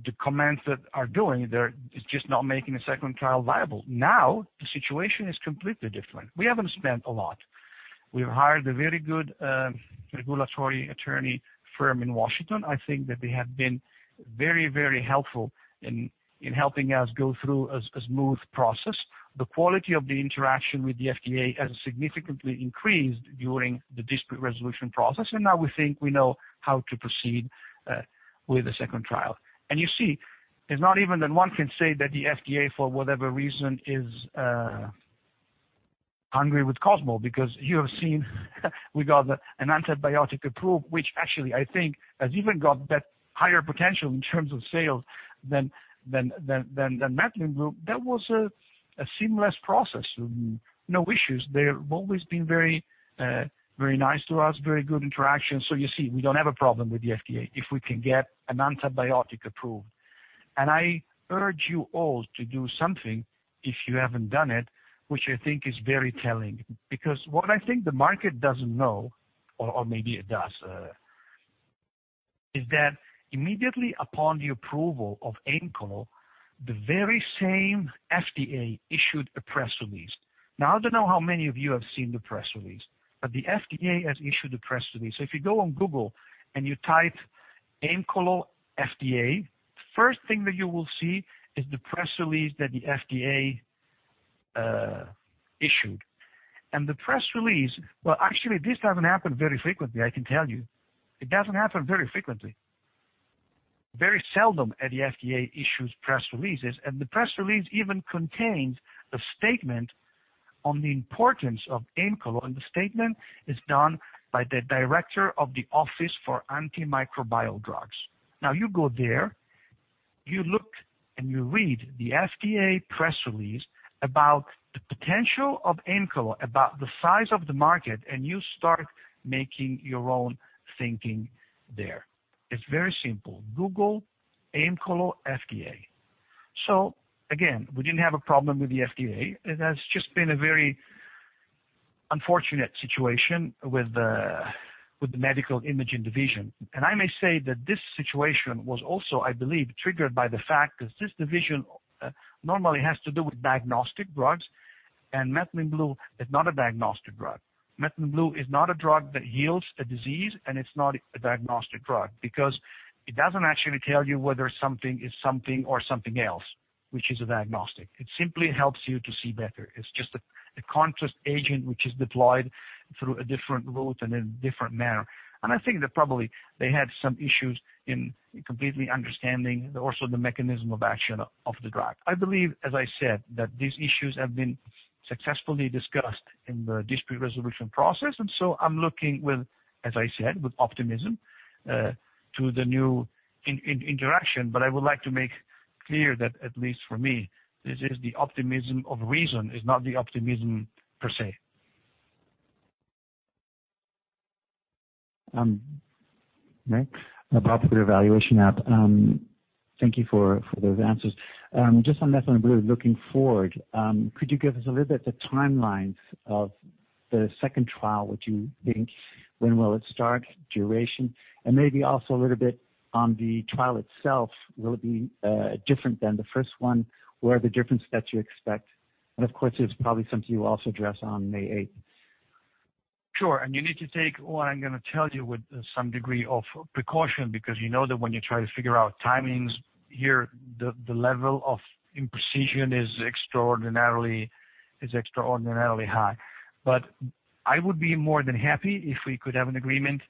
Speaker 1: the commands that are doing, it's just not making a second trial viable." Now, the situation is completely different. We haven't spent a lot. We've hired a very good regulatory attorney firm in Washington. I think that they have been very helpful in helping us go through a smooth process. The quality of the interaction with the FDA has significantly increased during the dispute resolution process. Now we think we know how to proceed with a second trial. You see, it's not even that one can say that the FDA, for whatever reason, is angry with Cosmo because you have seen we got an antibiotic approved, which actually I think has even got that higher potential in terms of sales than Methylene Blue. That was a seamless process. No issues. They've always been very nice to us, very good interaction. You see, we don't have a problem with the FDA if we can get an antibiotic approved. I urge you all to do something if you haven't done it, which I think is very telling. Because what I think the market doesn't know, or maybe it does, is that immediately upon the approval of AEMCOLO, the very same FDA issued a press release. I don't know how many of you have seen the press release, but the FDA has issued a press release. If you go on Google and you type AEMCOLO FDA, first thing that you will see is the press release that the FDA issued. The press release. Well, actually, this doesn't happen very frequently, I can tell you. It doesn't happen very frequently. Very seldom the FDA issues press releases, and the press release even contains a statement on the importance of AEMCOLO. The statement is done by the director of the office for antimicrobial drugs. You go there, you look, and you read the FDA press release about the potential of AEMCOLO, about the size of the market, and you start making your own thinking there. It's very simple. Google AEMCOLO FDA. Again, we didn't have a problem with the FDA. It has just been a very unfortunate situation with the medical imaging division. I may say that this situation was also, I believe, triggered by the fact that this division normally has to do with diagnostic drugs, and Methylene Blue is not a diagnostic drug. Methylene Blue is not a drug that heals a disease, and it's not a diagnostic drug because it doesn't actually tell you whether something is something or something else, which is a diagnostic. It simply helps you to see better. It's just a contrast agent which is deployed through a different route and in a different manner. I think that probably they had some issues in completely understanding also the mechanism of action of the drug. I believe, as I said, that these issues have been successfully discussed in the dispute resolution process. I'm looking with, as I said, with optimism to the new interaction. I would like to make clear that at least for me, this is the optimism of reason, is not the optimism per se.
Speaker 3: Right. About the revaluation app. Thank you for those answers. Just on Methylene Blue, looking forward, could you give us a little bit the timelines of the second trial, what you think, when will it start, duration? Maybe also a little bit on the trial itself. Will it be different than the first one? Where are the difference that you expect? Of course, it's probably something you will also address on May 8th.
Speaker 1: Sure. You need to take what I'm going to tell you with some degree of precaution because you know that when you try to figure out timings here, the level of imprecision is extraordinarily high. I would be more than happy if we could have an agreement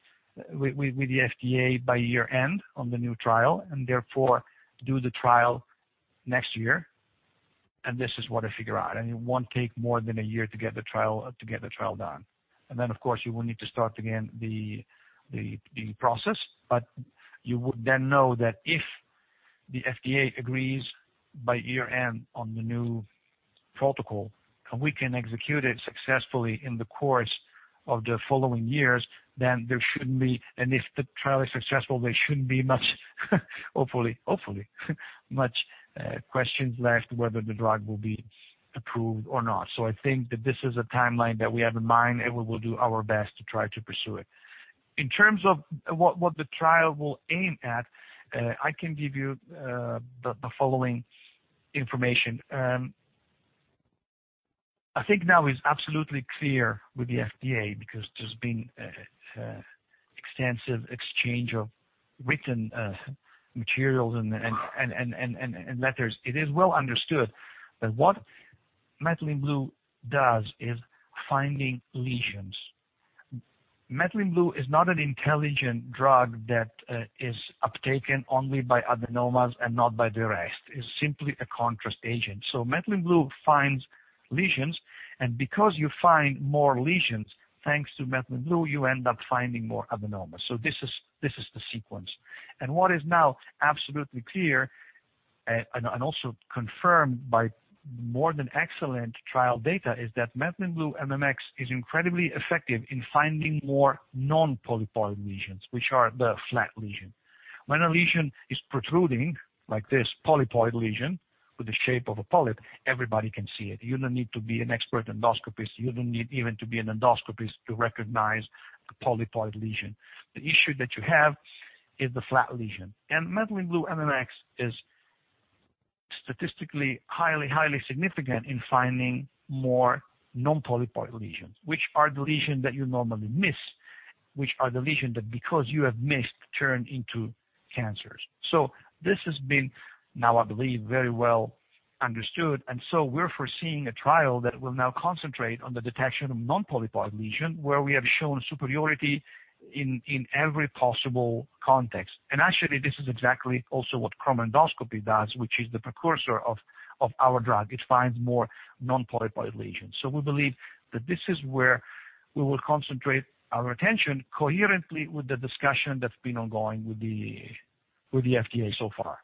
Speaker 1: with the FDA by year-end on the new trial, therefore do the trial next year. This is what I figure out, it won't take more than a year to get the trial done. Then, of course, you will need to start again the process. You would then know that if the FDA agrees by year-end on the new protocol, we can execute it successfully in the course of the following years, if the trial is successful, there shouldn't be much hopefully, much questions left whether the drug will be approved or not. I think that this is a timeline that we have in mind, we will do our best to try to pursue it. In terms of what the trial will aim at, I can give you the following information. I think now it's absolutely clear with the FDA because there's been extensive exchange of written materials and letters. It is well understood that what Methylene Blue does is finding lesions. Methylene Blue is not an intelligent drug that is uptaken only by adenomas and not by the rest. It's simply a contrast agent. Methylene Blue finds lesions, because you find more lesions, thanks to Methylene Blue, you end up finding more adenomas. This is the sequence. What is now absolutely clear also confirmed by more than excellent trial data is that Methylene Blue MMX is incredibly effective in finding more non-polypoid lesions, which are the flat lesion. When a lesion is protruding like this polypoid lesion with the shape of a polyp, everybody can see it. You don't need to be an expert endoscopist. You don't need even to be an endoscopist to recognize a polypoid lesion. The issue that you have is the flat lesion. Methylene Blue MMX is statistically highly significant in finding more non-polypoid lesions, which are the lesions that you normally miss, which are the lesions that because you have missed, turn into cancers. This has been now, I believe, very well understood, we're foreseeing a trial that will now concentrate on the detection of non-polypoid lesion where we have shown superiority in every possible context. Actually, this is exactly also what chromoendoscopy does, which is the precursor of our drug. It finds more non-polypoid lesions. We believe that this is where we will concentrate our attention coherently with the discussion that's been ongoing with the FDA so far.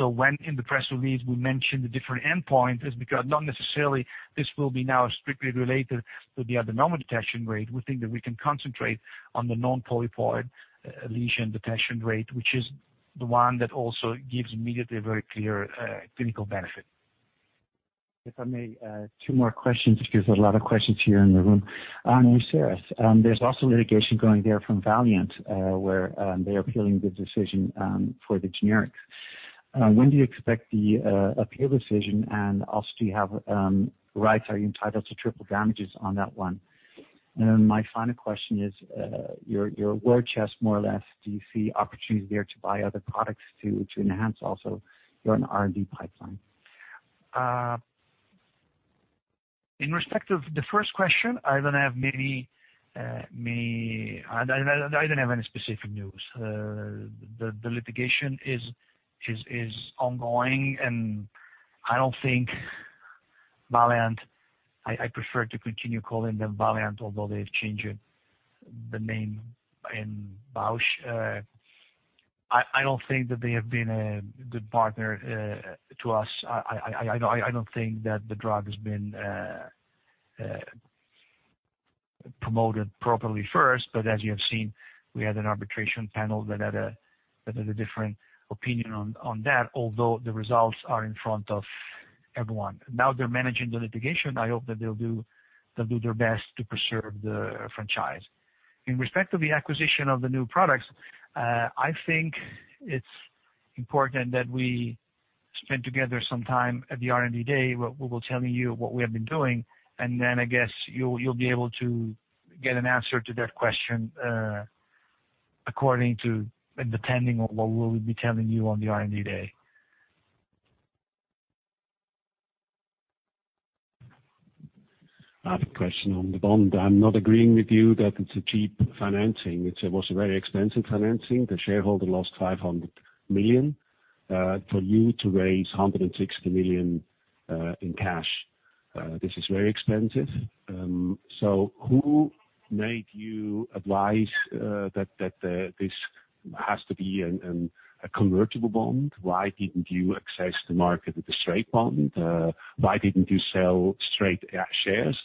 Speaker 1: When in the press release, we mention the different endpoint, is because not necessarily this will be now strictly related to the adenoma detection rate. We think that we can concentrate on the non-polypoid lesion detection rate, which is the one that also gives immediately a very clear clinical benefit.
Speaker 3: If I may, two more questions because there's a lot of questions here in the room. On Uceris, there's also litigation going there from Valeant, where they're appealing the decision for the generics. When do you expect the appeal decision? Also, are you entitled to triple damages on that one? Then my final question is, you're a war chest, more or less. Do you see opportunities there to buy other products to enhance also your R&D pipeline?
Speaker 1: In respect of the first question, I don't have any specific news. The litigation is ongoing. I prefer to continue calling them Valeant, although they've changed the name. Bausch, I don't think that they have been a good partner to us. I don't think that the drug has been promoted properly first, as you have seen, we had an arbitration panel that had a different opinion on that, although the results are in front of everyone. They're managing the litigation. I hope that they'll do their best to preserve the franchise. In respect of the acquisition of the new products, I think it's important that we spend together some time at the R&D day, where we will tell you what we have been doing. Then I guess you'll be able to get an answer to that question according to and depending on what we'll be telling you on the R&D day.
Speaker 3: I have a question on the bond. I'm not agreeing with you that it's a cheap financing. It was a very expensive financing. The shareholder lost 500 million. For you to raise 160 million in cash, this is very expensive. Who made you advise that this has to be a convertible bond? Why didn't you access the market with a straight bond? Why didn't you sell straight shares?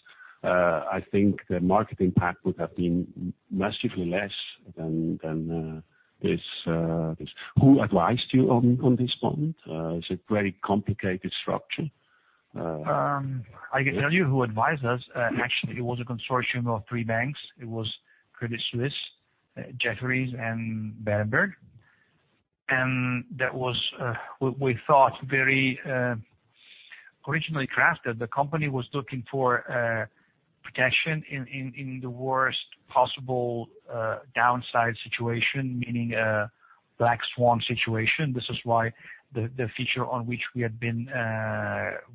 Speaker 3: I think the market impact would have been massively less than this. Who advised you on this bond? It's a very complicated structure.
Speaker 1: I can tell you who advised us. Actually, it was a consortium of three banks. It was Credit Suisse, Jefferies, and Berenberg. That was, we thought, very originally crafted. The company was looking for protection in the worst possible downside situation, meaning a black swan situation. This is why the feature on which we had been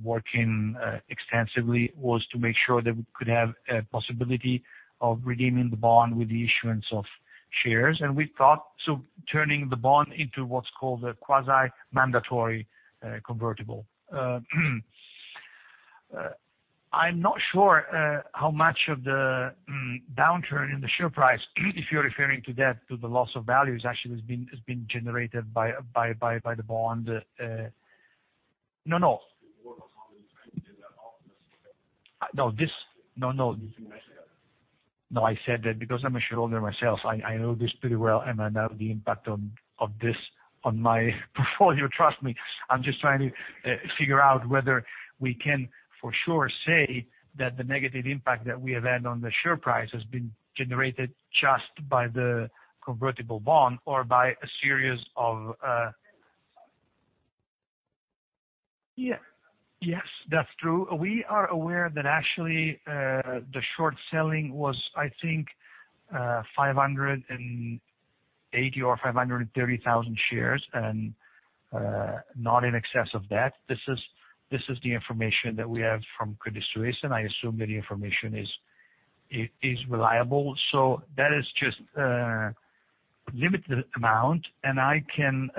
Speaker 1: working extensively was to make sure that we could have a possibility of redeeming the bond with the issuance of shares. We thought, so turning the bond into what's called a quasi-mandatory convertible. I'm not sure how much of the downturn in the share price, if you're referring to that, to the loss of value, actually has been generated by the bond. I said that because I'm a shareholder myself. I know this pretty well, and I know the impact of this on my portfolio, trust me. I'm just trying to figure out whether we can, for sure, say that the negative impact that we have had on the share price has been generated just by the convertible bond or by a series of, yes, that's true. We are aware that actually, the short selling was, I think, 580,000 or 530,000 shares and not in excess of that. This is the information that we have from Credit Suisse, and I assume that the information is reliable. That is just a limited amount, and I can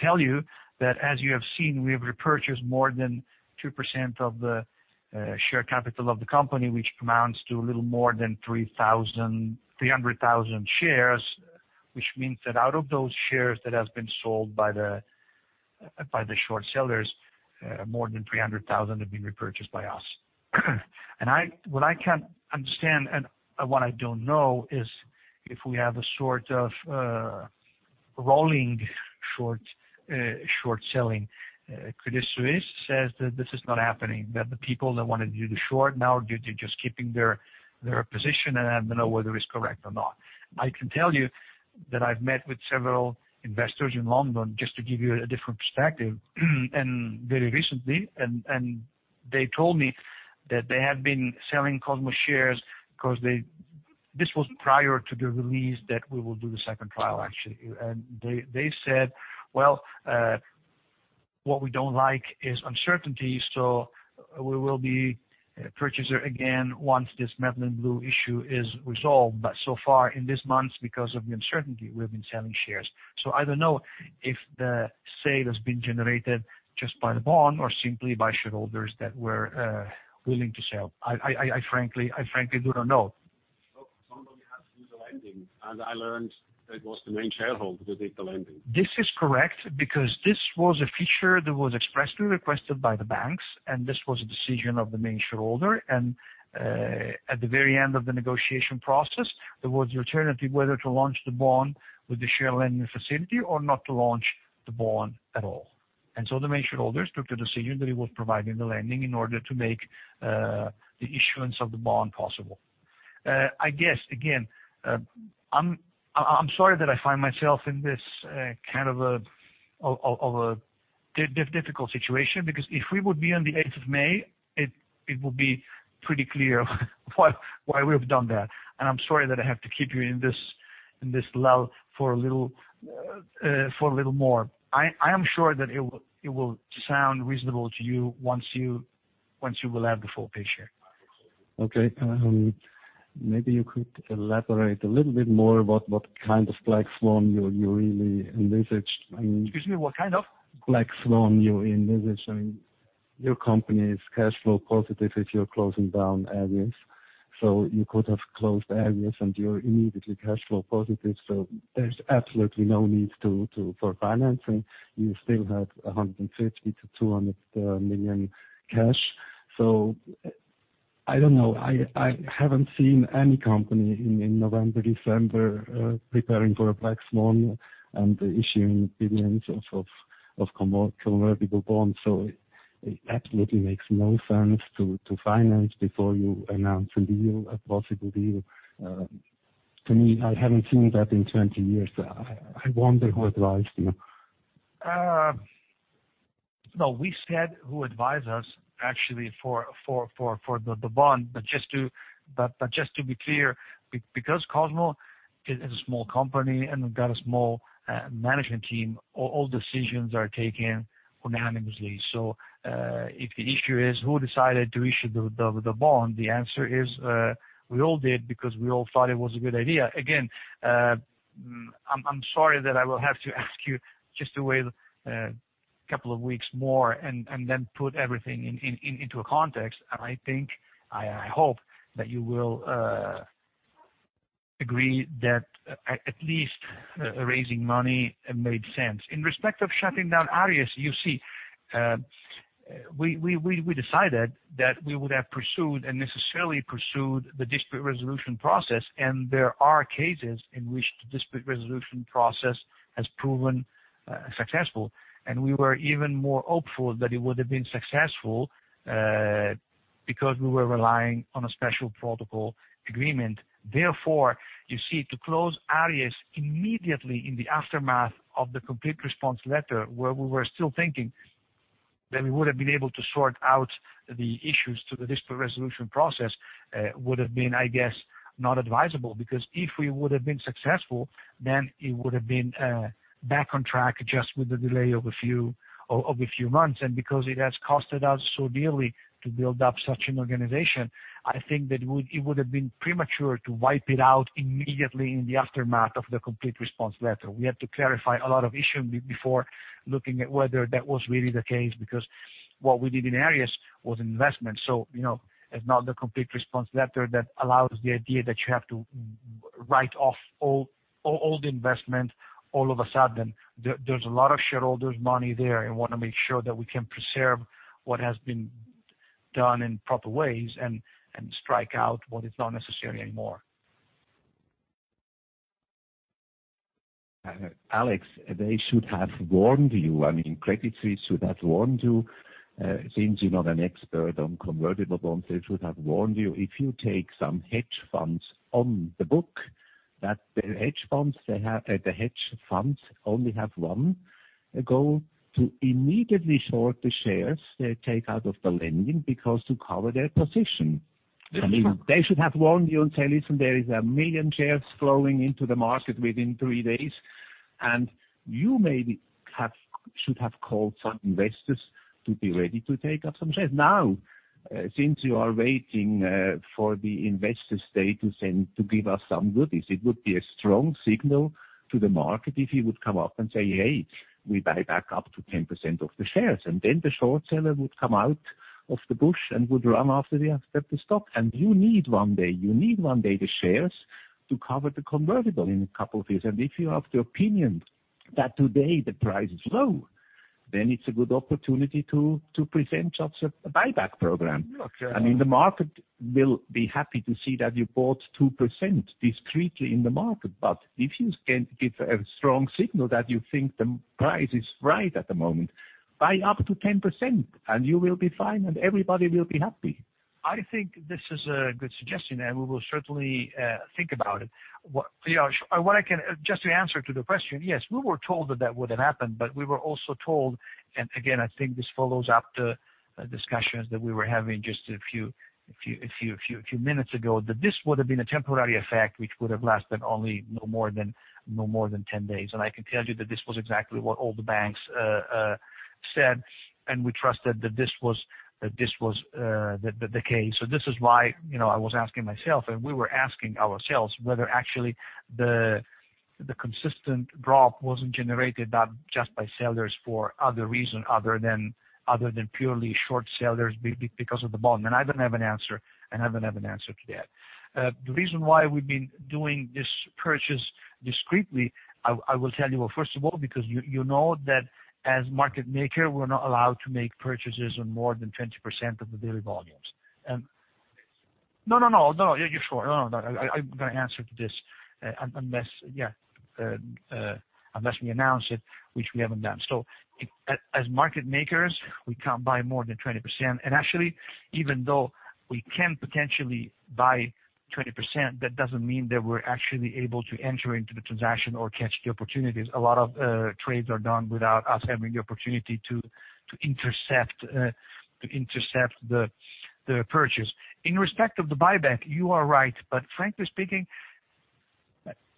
Speaker 1: tell you that as you have seen, we have repurchased more than 2% of the share capital of the company, which amounts to a little more than 300,000 shares. Which means that out of those shares that have been sold by the short sellers, more than 300,000 have been repurchased by us. What I can't understand and what I don't know is if we have a sort of rolling short selling. Credit Suisse says that this is not happening, that the people that want to do the short now, they're just keeping their position, and I don't know whether it's correct or not. I can tell you that I've met with several investors in London, just to give you a different perspective, and very recently, and they told me that they had been selling Cosmo shares. This was prior to the release that we will do the second trial, actually. They said, "Well, what we don't like is uncertainty, so we will be purchaser again once this Methylene Blue issue is resolved. So far, in these months, because of the uncertainty, we've been selling shares. I don't know if the sale has been generated just by the bond or simply by shareholders that were willing to sell. I frankly do not know.
Speaker 3: Somebody has to do the lending, and I learned it was the main shareholder who did the lending.
Speaker 1: This is correct because this was a feature that was expressly requested by the banks, and this was a decision of the main shareholder. At the very end of the negotiation process, there was the alternative whether to launch the bond with the share lending facility or not to launch the bond at all. The main shareholders took the decision that he was providing the lending in order to make the issuance of the bond possible. I guess, again, I'm sorry that I find myself in this kind of a difficult situation because if we would be on the 8th of May, it would be pretty clear why we have done that. I'm sorry that I have to keep you in this lull for a little more. I am sure that it will sound reasonable to you once you will have the full picture.
Speaker 3: Maybe you could elaborate a little bit more about what kind of black swan you really envisaged.
Speaker 1: Excuse me, what kind of?
Speaker 3: Black swan you envisaged. I mean, your company is cash flow positive if you're closing down Aries. You could have closed Aries and you're immediately cash flow positive, so there's absolutely no need for financing. You still have 150 million-200 million cash. I don't know. I haven't seen any company in November, December preparing for a black swan and issuing billions of convertible bonds. It absolutely makes no sense to finance before you announce a deal, a possible deal. To me, I haven't seen that in 20 years. I wonder who advised you.
Speaker 1: No, we said who advised us actually for the bond. Just to be clear, because Cosmo is a small company and we've got a small management team, all decisions are taken unanimously. If the issue is who decided to issue the bond, the answer is we all did because we all thought it was a good idea. Again, I'm sorry that I will have to ask you just to wait a couple of weeks more and then put everything into a context. I think, I hope, that you will agree that at least raising money made sense. In respect of shutting down Aries, you see, we decided that we would have pursued and necessarily pursued the dispute resolution process. There are cases in which the dispute resolution process has proven successful. We were even more hopeful that it would have been successful because we were relying on a Special Protocol Agreement. You see, to close Aries immediately in the aftermath of the complete response letter, where we were still thinking that we would have been able to sort out the issues to the dispute resolution process, would have been, I guess, not advisable because if we would have been successful, then it would have been back on track just with the delay of a few months. Because it has costed us so dearly to build up such an organization, I think that it would have been premature to wipe it out immediately in the aftermath of the complete response letter. We had to clarify a lot of issues before looking at whether that was really the case, because what we did in Aries was investment. It's not the Complete Response Letter that allows the idea that you have to write off all the investment all of a sudden. There's a lot of shareholders' money there and want to make sure that we can preserve what has been done in proper ways and strike out what is not necessary anymore.
Speaker 3: Alex, they should have warned you. I mean, Credit Suisse should have warned you. Since you're not an expert on convertible bonds, they should have warned you. If you take some hedge funds on the book, that the hedge funds only have one goal, to immediately short the shares they take out of the lending because to cover their position. I mean, they should have warned you and say, "Listen, there is 1 million shares flowing into the market within three days." You maybe should have called some investors to be ready to take up some shares. Now, since you are waiting for the investor state to send, to give us some goodies, it would be a strong signal to the market if you would come up and say, "Hey, we buy back up to 10% of the shares." Then the short seller would come out of the bush and would run after the accepted stock. You need one day the shares to cover the convertible in a couple of years. If you have the opinion that today the price is low, then it's a good opportunity to present just a buyback program.
Speaker 1: Look-
Speaker 3: I mean, the market will be happy to see that you bought 2% discreetly in the market. If you can give a strong signal that you think the price is right at the moment, buy up to 10% and you will be fine and everybody will be happy.
Speaker 1: I think this is a good suggestion, and we will certainly think about it. Just to answer to the question, yes, we were told that that would have happened, but we were also told, and again, I think this follows up the discussions that we were having just a few minutes ago that this would have been a temporary effect, which would have lasted only no more than 10 days. I can tell you that this was exactly what all the banks said, and we trusted that this was the case. This is why I was asking myself, and we were asking ourselves whether actually the consistent drop wasn't generated up just by sellers for other reason other than purely short sellers because of the bond. I don't have an answer to that. The reason why we've been doing this purchase discreetly, I will tell you. First of all, because you know that as market maker, we're not allowed to make purchases on more than 20% of the daily volumes. You're sure. I'm going to answer to this unless we announce it, which we haven't done. As market makers, we can't buy more than 20%. Actually, even though we can potentially buy 20%, that doesn't mean that we're actually able to enter into the transaction or catch the opportunities. A lot of trades are done without us having the opportunity to intercept the purchase. In respect of the buyback, you are right, but frankly speaking,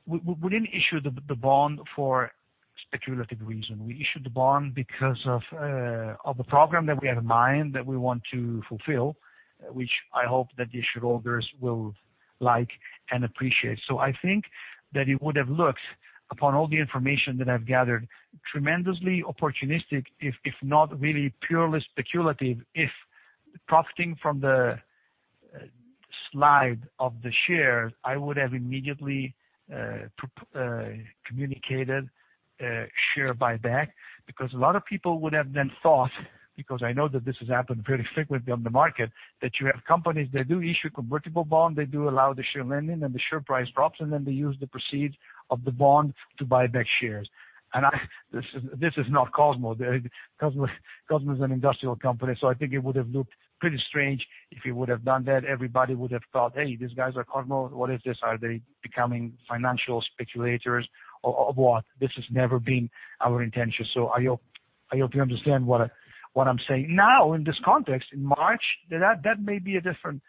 Speaker 1: we didn't issue the bond for speculative reason. We issued the bond because of the program that we have in mind that we want to fulfill, which I hope that the shareholders will like and appreciate. I think that it would have looked, upon all the information that I've gathered, tremendously opportunistic, if not really purely speculative, if profiting from the slide of the share, I would have immediately communicated share buyback because a lot of people would have then thought, because I know that this has happened pretty frequently on the market, that you have companies that do issue convertible bond, they do allow the share lending, and the share price drops, and then they use the proceeds of the bond to buy back shares. This is not Cosmo. Cosmo is an industrial company. I think it would have looked pretty strange if we would have done that. Everybody would have thought, "Hey, these guys are Cosmo. What is this? Are they becoming financial speculators or what?" This has never been our intention. I hope you understand what I'm saying. In this context, in March, that may be a different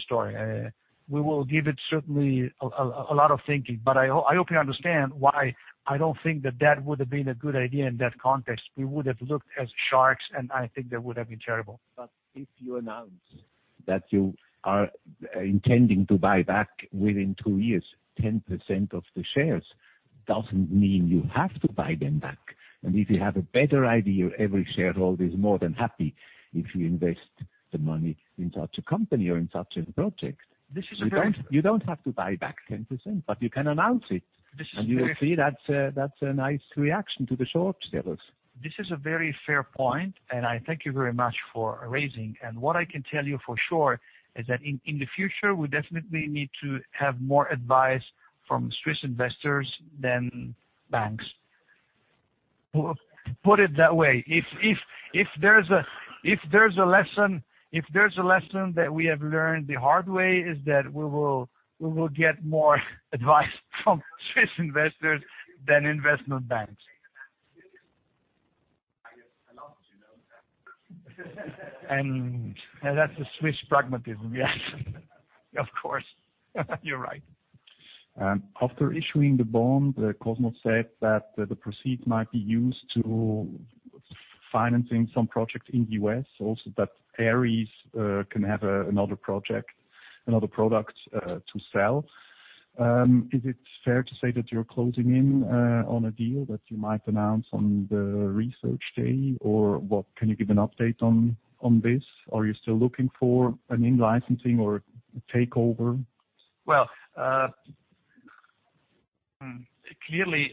Speaker 1: story. We will give it certainly a lot of thinking. I hope you understand why I don't think that that would have been a good idea in that context. We would have looked as sharks, and I think that would have been terrible.
Speaker 3: If you announce that you are intending to buy back within two years, 10% of the shares doesn't mean you have to buy them back. If you have a better idea, every shareholder is more than happy if you invest the money in such a company or in such a project.
Speaker 1: This is very.
Speaker 3: You don't have to buy back 10%, but you can announce it. You will see that's a nice reaction to the short sellers.
Speaker 1: This is a very fair point, and I thank you very much for raising. What I can tell you for sure is that in the future, we definitely need to have more advice from Swiss investors than banks. Put it that way, if there's a lesson that we have learned the hard way is that we will get more advice from Swiss investors than investment banks. That's a Swiss pragmatism. Yes. Of course. You're right.
Speaker 3: After issuing the bond, Cosmo said that the proceeds might be used to finance some project in U.S. also, that Aries can have another project, another product to sell. Is it fair to say that you're closing in on a deal that you might announce on the Research Day? What, can you give an update on this? Are you still looking for an in-licensing or takeover?
Speaker 1: Clearly,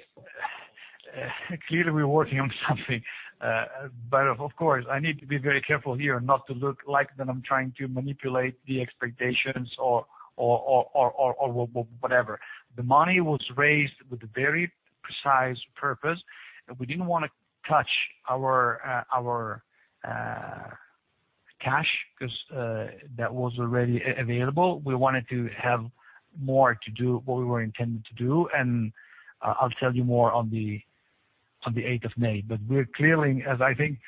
Speaker 1: we're working on something. Of course, I need to be very careful here not to look like that I'm trying to manipulate the expectations or whatever. The money was raised with a very precise purpose. We didn't want to touch our cash because that was already available. We wanted to have more to do what we were intending to do, I'll tell you more on the 8th of May. We're clearly, as I think.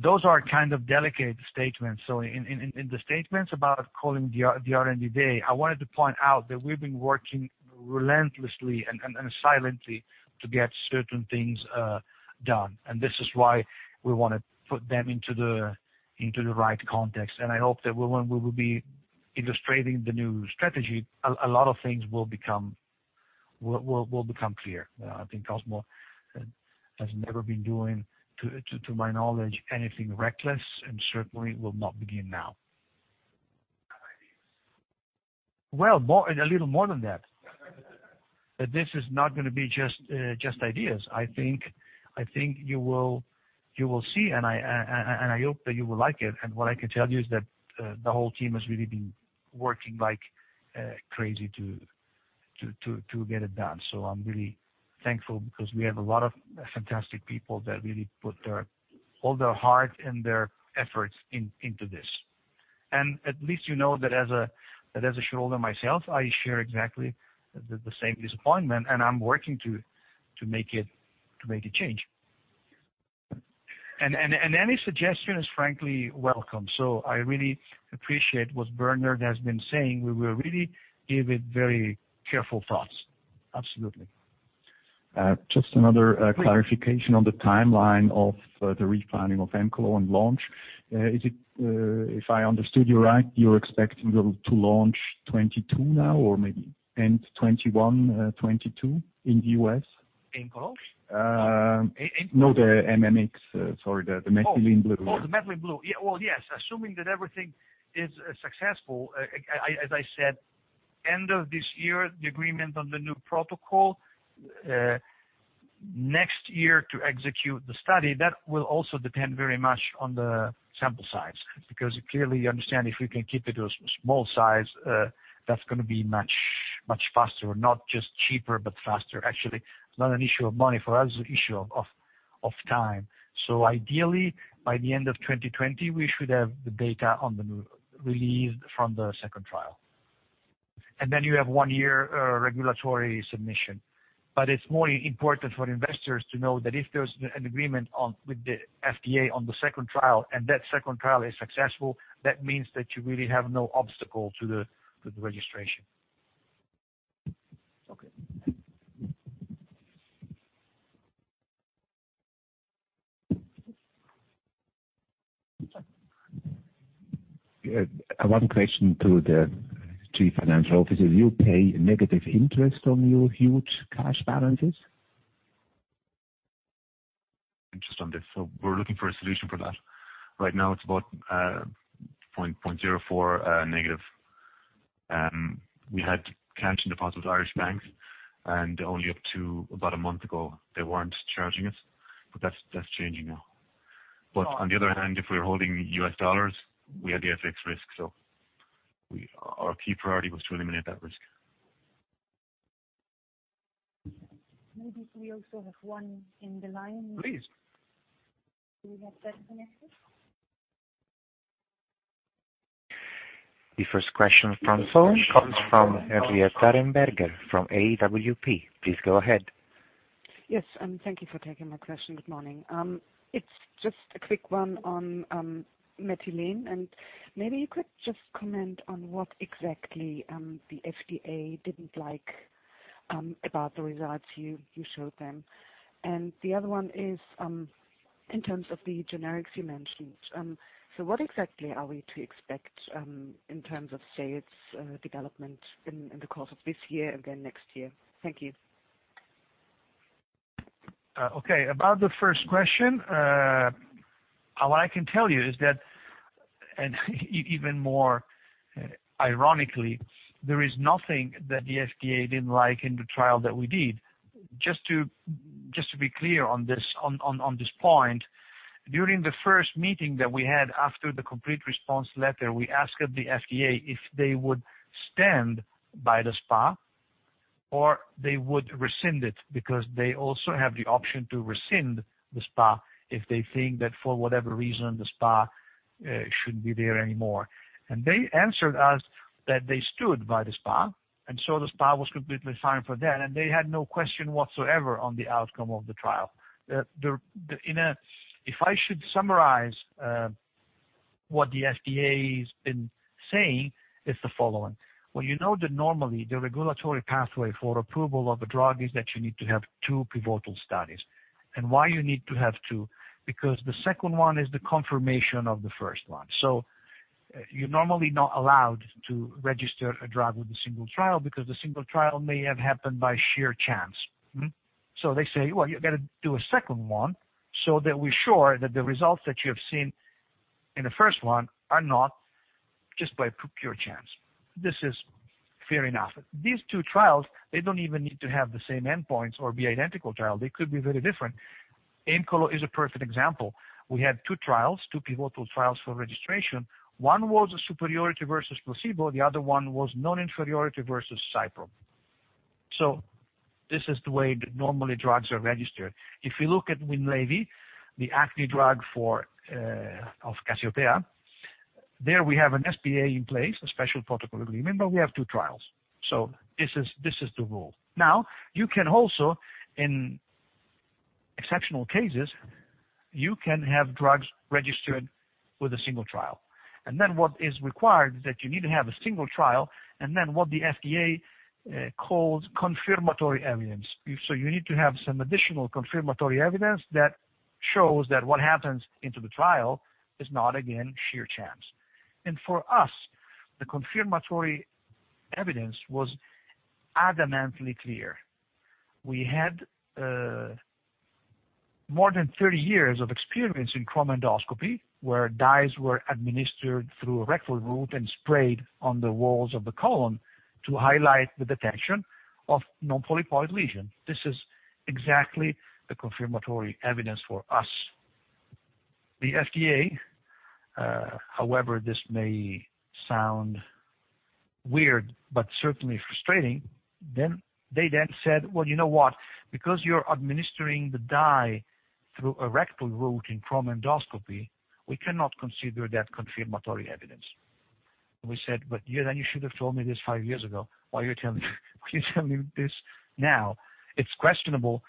Speaker 1: Those are kind of delicate statements. In the statements about calling the R&D Day, I wanted to point out that we've been working relentlessly and silently to get certain things done. This is why we want to put them into the right context. I hope that when we will be illustrating the new strategy, a lot of things will become clear. I think Cosmo has never been doing, to my knowledge, anything reckless and certainly will not begin now. A little more than that. This is not going to be just ideas. I think you will see, I hope that you will like it. What I can tell you is that the whole team has really been working like crazy to get it done. I'm really thankful because we have a lot of fantastic people that really put all their heart and their efforts into this. At least you know that as a shareholder myself, I share exactly the same disappointment, and I'm working to make a change. Any suggestion is frankly welcome. I really appreciate what Bernard has been saying. We will really give it very careful thoughts. Absolutely.
Speaker 3: Another clarification on the timeline of the refiling of AEMCOLO and launch. If I understood you right, you are expecting to launch 2022 now, or maybe end 2021, 2022 in the U.S.?
Speaker 1: AEMCOLO?
Speaker 3: No, the MMX, sorry. The Methylene Blue.
Speaker 1: The Methylene Blue. Well, yes. Assuming that everything is successful, as I said, end of this year, the agreement on the new protocol. Next year to execute the study. That will also depend very much on the sample size, because clearly you understand if we can keep it a small size, that is going to be much faster. Not just cheaper, but faster. Actually, it is not an issue of money for us, it is an issue of time. Ideally, by the end of 2020, we should have the data on the new release from the second trial. You have one year regulatory submission. It is more important for investors to know that if there is an agreement with the FDA on the second trial, and that second trial is successful, that means that you really have no obstacle to the registration.
Speaker 3: One question to the Chief Financial Officer. Do you pay negative interest on your huge cash balances?
Speaker 2: Interest on this. We're looking for a solution for that. Right now, it's about 0.04 negative. Only up to about a month ago, they weren't charging us. That's changing now. On the other hand, if we're holding U.S. dollars, we had the FX risk. Our key priority was to eliminate that risk.
Speaker 3: Maybe we also have one in the line.
Speaker 1: Please.
Speaker 3: Do we have that connected?
Speaker 4: The first question from the phone comes from Henrietta Rumberger from AWP. Please go ahead.
Speaker 5: Yes, thank you for taking my question. Good morning. It's just a quick one on Methylene, and maybe you could just comment on what exactly the FDA didn't like about the results you showed them. The other one is in terms of the generics you mentioned. What exactly are we to expect in terms of sales development in the course of this year and then next year? Thank you.
Speaker 1: Okay. About the first question, all I can tell you is that, and even more ironically, there is nothing that the FDA didn't like in the trial that we did. Just to be clear on this point, during the first meeting that we had after the complete response letter, we asked the FDA if they would stand by the SPA or they would rescind it, because they also have the option to rescind the SPA if they think that for whatever reason, the SPA shouldn't be there anymore. They answered us that they stood by the SPA, and so the SPA was completely fine for them, and they had no question whatsoever on the outcome of the trial. If I should summarize what the FDA's been saying, it's the following. Well, you know that normally the regulatory pathway for approval of a drug is that you need to have two pivotal studies. Why you need to have two? Because the second one is the confirmation of the first one. You're normally not allowed to register a drug with a single trial, because the single trial may have happened by sheer chance. They say, "Well, you got to do a second one so that we're sure that the results that you have seen in the first one are not just by pure chance." This is fair enough. These two trials, they don't even need to have the same endpoints or be identical trial. They could be very different. AEMCOLO is a perfect example. We had two trials, two pivotal trials for registration. One was a superiority versus placebo, the other one was non-inferiority versus Cipro. This is the way that normally drugs are registered. If you look at Winlevi, the acne drug of Cassiopea, there we have an SPA in place, a special protocol agreement, but we have two trials. This is the rule. Now, you can also, in exceptional cases, you can have drugs registered with a single trial. What is required is that you need to have a single trial, and then what the FDA calls confirmatory evidence. You need to have some additional confirmatory evidence that shows that what happens into the trial is not, again, sheer chance. For us, the confirmatory evidence was adamantly clear. We had more than 30 years of experience in chromoendoscopy, where dyes were administered through a rectal route and sprayed on the walls of the colon to highlight the detection of non-polypoid lesion. This is exactly the confirmatory evidence for us. The FDA, however this may sound weird, but certainly frustrating, they then said, "Well, you know what? Because you're administering the dye through a rectal route in chromoendoscopy, we cannot consider that confirmatory evidence." We said, "You should have told me this five years ago. Why are you telling me this now?" It's questionable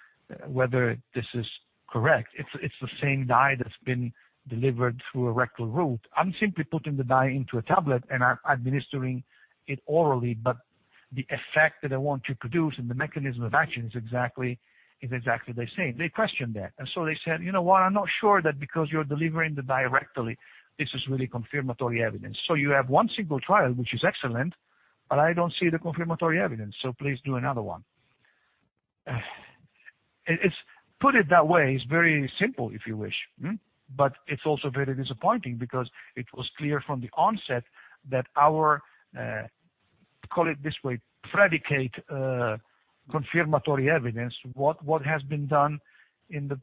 Speaker 1: whether this is correct. It's the same dye that's been delivered through a rectal route. I'm simply putting the dye into a tablet and I'm administering it orally, but the effect that I want to produce and the mechanism of action is exactly the same. They questioned that. They said, "You know what? I'm not sure that because you're delivering the dye directly, this is really confirmatory evidence. You have one single trial, which is excellent, but I don't see the confirmatory evidence, so please do another one." Put it that way, it's very simple if you wish. It's also very disappointing because it was clear from the onset that our, call it this way, predicate confirmatory evidence, what has been done in the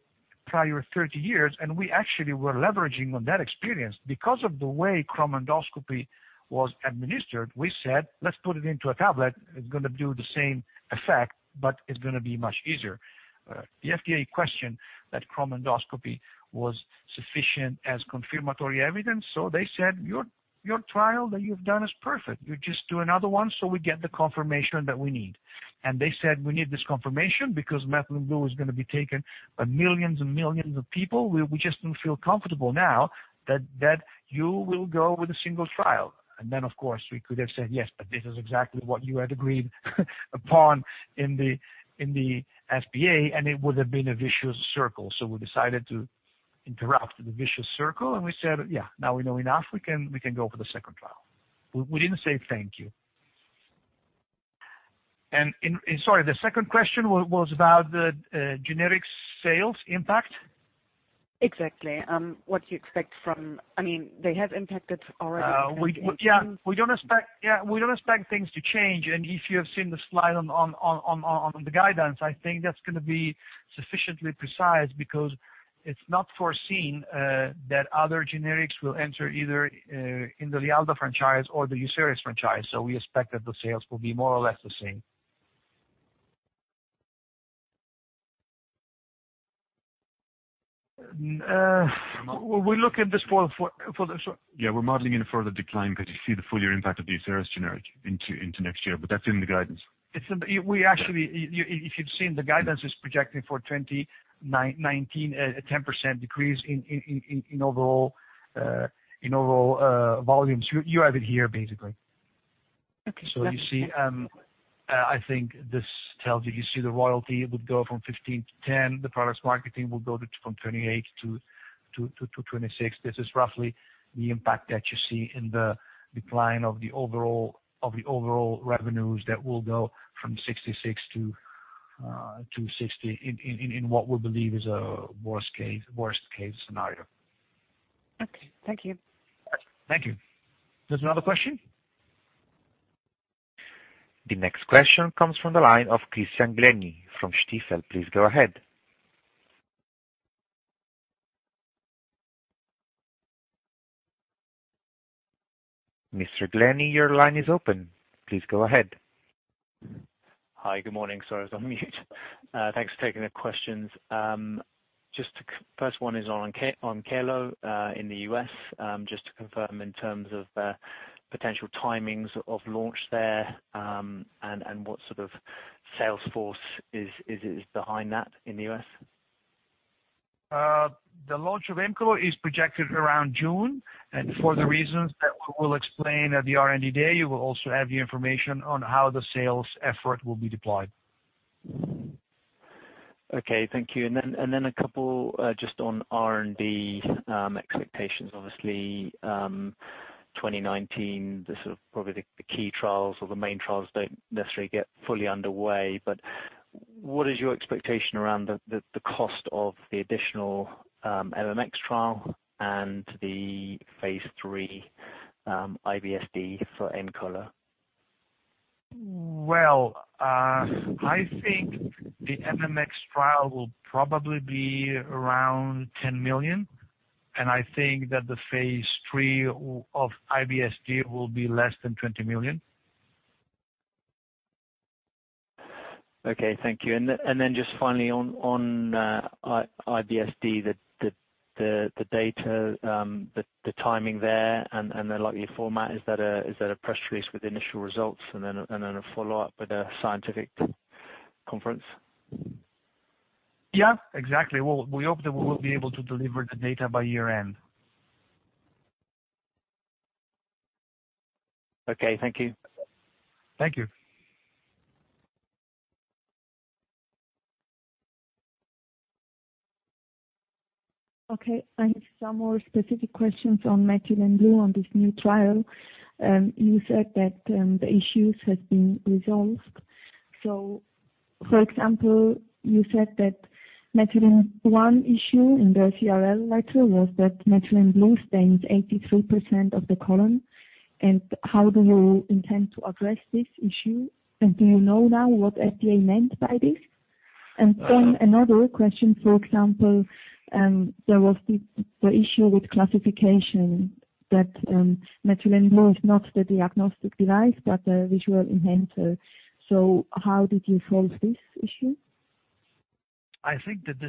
Speaker 1: prior 30 years, and we actually were leveraging on that experience. Because of the way chromoendoscopy was administered, we said, "Let's put it into a tablet. It's going to do the same effect, but it's going to be much easier." The FDA questioned that chromoendoscopy was sufficient as confirmatory evidence, so they said, "Your trial that you've done is perfect. You just do another one so we get the confirmation that we need." They said, "We need this confirmation because Methylene Blue is going to be taken by millions and millions of people. We just don't feel comfortable now that you will go with a single trial." Of course, we could have said, "Yes, but this is exactly what you had agreed upon in the SPA," and it would have been a vicious circle. We decided to interrupt the vicious circle, and we said, "Yeah, now we know enough. We can go for the second trial." We didn't say thank you. Sorry, the second question was about the generic sales impact?
Speaker 5: Exactly. They have impacted already 2018.
Speaker 1: Yeah. We don't expect things to change. If you have seen the slide on the guidance, I think that's going to be sufficiently precise because it's not foreseen that other generics will enter either in the LIALDA franchise or the Uceris franchise. We expect that the sales will be more or less the same.
Speaker 2: Yeah, we're modeling in a further decline because you see the full year impact of the Uceris generic into next year. That's in the guidance.
Speaker 1: If you've seen, the guidance is projecting for 2019, a 10% decrease in overall volumes. You have it here, basically.
Speaker 5: Okay.
Speaker 1: You see, I think this tells you see the royalty would go from 15-10. The product's marketing will go from 28-26. This is roughly the impact that you see in the decline of the overall revenues that will go from 66-60 in what we believe is a worst-case scenario.
Speaker 5: Okay. Thank you.
Speaker 1: Thank you. There is another question?
Speaker 4: The next question comes from the line of Christian Glennie from Stifel. Please go ahead. Mr. Glennie, your line is open. Please go ahead.
Speaker 6: Hi. Good morning. Sorry, I was on mute. Thanks for taking the questions. Just first one is on AEMCOLO in the U.S., just to confirm in terms of potential timings of launch there, and what sort of sales force is behind that in the U.S.
Speaker 1: The launch of AEMCOLO is projected around June, for the reasons that we'll explain at the R&D day, we'll also have the information on how the sales effort will be deployed.
Speaker 6: Okay. Thank you. Then a couple just on R&D expectations. Obviously, 2019, this is probably the key trials or the main trials don't necessarily get fully underway, but what is your expectation around the cost of the additional MMX trial and the phase III IBS-D for AEMCOLO?
Speaker 1: Well, I think the MMX trial will probably be around 10 million, I think that the phase III of IBS-D will be less than 20 million.
Speaker 6: Okay. Thank you. Then just finally on IBS-D, the data, the timing there, and the likely format, is that a press release with initial results and then a follow-up with a scientific conference?
Speaker 1: Yeah. Exactly. We hope that we will be able to deliver the data by year-end.
Speaker 6: Okay. Thank you.
Speaker 1: Thank you.
Speaker 3: Okay. I have some more specific questions on Methylene Blue on this new trial. You said that the issues have been resolved. For example, you said that Methylene Blue one issue in the CRL letter was that Methylene Blue stains 83% of the colon. How do you intend to address this issue? Do you know now what FDA meant by this? Another question, for example, there was the issue with classification that Methylene Blue is not the diagnostic device, but a visual enhancer. How did you solve this issue?
Speaker 1: I think that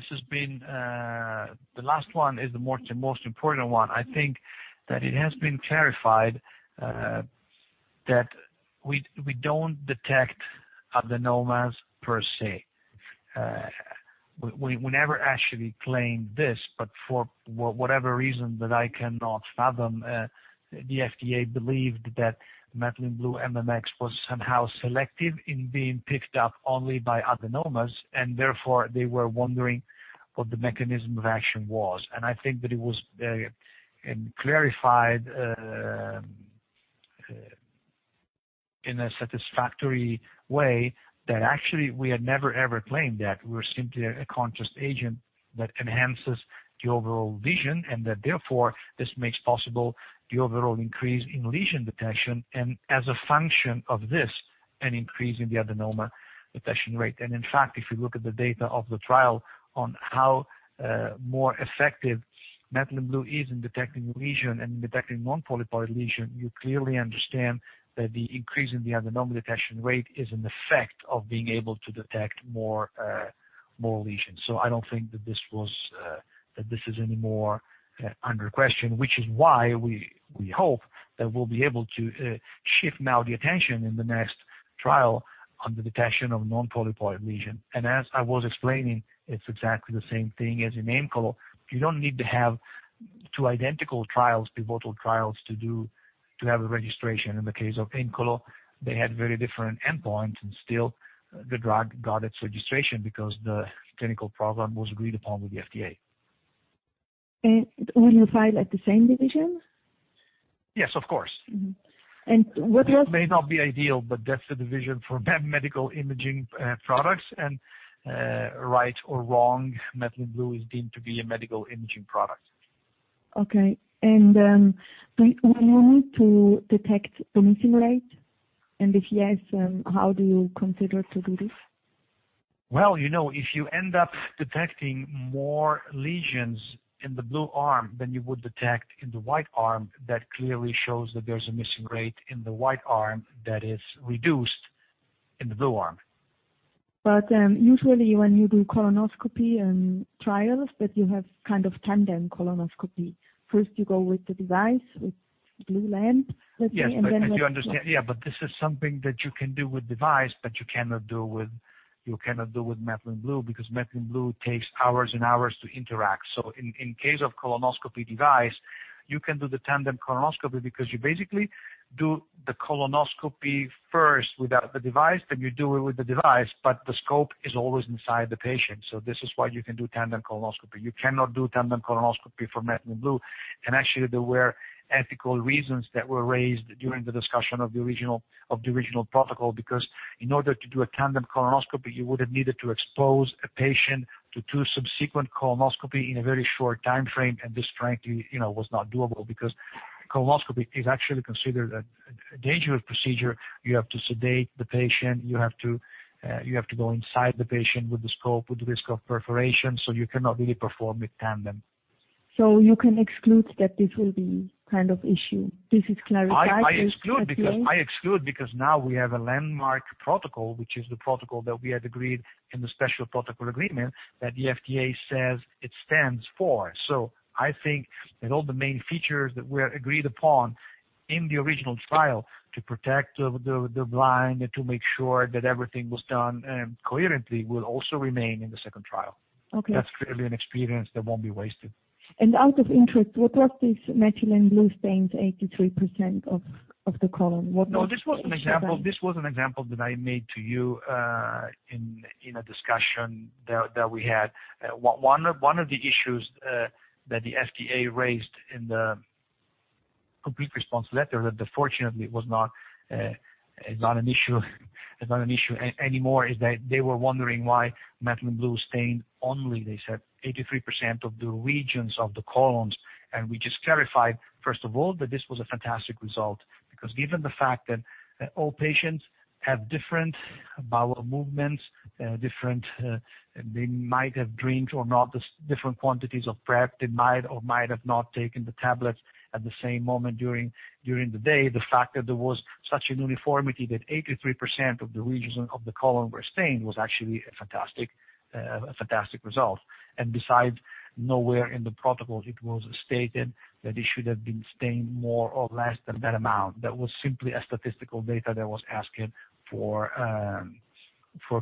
Speaker 1: the last one is the most important one. I think that it has been clarified that we don't detect adenomas per se. We never actually claimed this, but for whatever reason that I cannot fathom, the FDA believed that Methylene Blue MMX was somehow selective in being picked up only by adenomas, and therefore they were wondering what the mechanism of action was. I think that it was clarified in a satisfactory way that actually we had never, ever claimed that. We're simply a contrast agent that enhances the overall vision and that therefore this makes possible the overall increase in lesion detection and as a function of this, an increase in the adenoma detection rate. In fact, if you look at the data of the trial on how more effective methylene blue is in detecting lesion and in detecting non-polypoid lesion, you clearly understand that the increase in the adenoma detection rate is an effect of being able to detect more lesions. I don't think that this is anymore under question, which is why we hope that we'll be able to shift now the attention in the next trial on the detection of non-polypoid lesion. As I was explaining, it's exactly the same thing as in AEMCOLO. You don't need to have two identical trials, pivotal trials, to have a registration. In the case of AEMCOLO, they had very different endpoints and still the drug got its registration because the clinical program was agreed upon with the FDA.
Speaker 3: Will you file at the same division?
Speaker 1: Yes, of course.
Speaker 3: Mm-hmm.
Speaker 1: It may not be ideal, but that's the division for medical imaging products, and, right or wrong, methylene blue is deemed to be a medical imaging product.
Speaker 3: Okay. Will you need to detect miss rate? If yes, how do you consider to do this?
Speaker 1: Well, if you end up detecting more lesions in the blue arm than you would detect in the white arm, that clearly shows that there's a miss rate in the white arm that is reduced in the blue arm.
Speaker 3: Usually when you do colonoscopy and trials, but you have kind of tandem colonoscopy. First you go with the device, with blue lamp, let's say.
Speaker 1: Yes. You understand, yeah, but this is something that you can do with device, but you cannot do with methylene blue because methylene blue takes hours and hours to interact. In case of colonoscopy device, you can do the tandem colonoscopy because you basically do the colonoscopy first without the device, then you do it with the device, but the scope is always inside the patient. This is why you can do tandem colonoscopy. You cannot do tandem colonoscopy for methylene blue. Actually, there were ethical reasons that were raised during the discussion of the original protocol because in order to do a tandem colonoscopy, you would've needed to expose a patient to two subsequent colonoscopy in a very short timeframe. This frankly, was not doable because colonoscopy is actually considered a dangerous procedure. You have to sedate the patient. You have to go inside the patient with the scope, with the risk of perforation, you cannot really perform it tandem.
Speaker 3: You can exclude that this will be kind of issue. This is clarified at the end?
Speaker 1: I exclude because now we have a landmark protocol, which is the protocol that we had agreed in the special protocol agreement that the FDA says it stands for. I think that all the main features that were agreed upon in the original trial to protect the blind and to make sure that everything was done coherently will also remain in the second trial.
Speaker 3: Okay.
Speaker 1: That's clearly an experience that won't be wasted.
Speaker 3: Out of interest, what was this Methylene Blue stained 83% of the colon?
Speaker 1: No, this was an example that I made to you in a discussion that we had. One of the issues that the FDA raised in the complete response letter that fortunately is not an issue anymore, is that they were wondering why Methylene Blue stained only, they said, 83% of the regions of the colons. We just clarified, first of all, that this was a fantastic result because given the fact that all patients have different bowel movements, they might have drinked or not the different quantities of prep, they might or might have not taken the tablets at the same moment during the day. The fact that there was such a uniformity that 83% of the regions of the colon were stained was actually a fantastic result. Besides, nowhere in the protocol it was stated that it should have been stained more or less than that amount. That was simply a statistical data that was asking for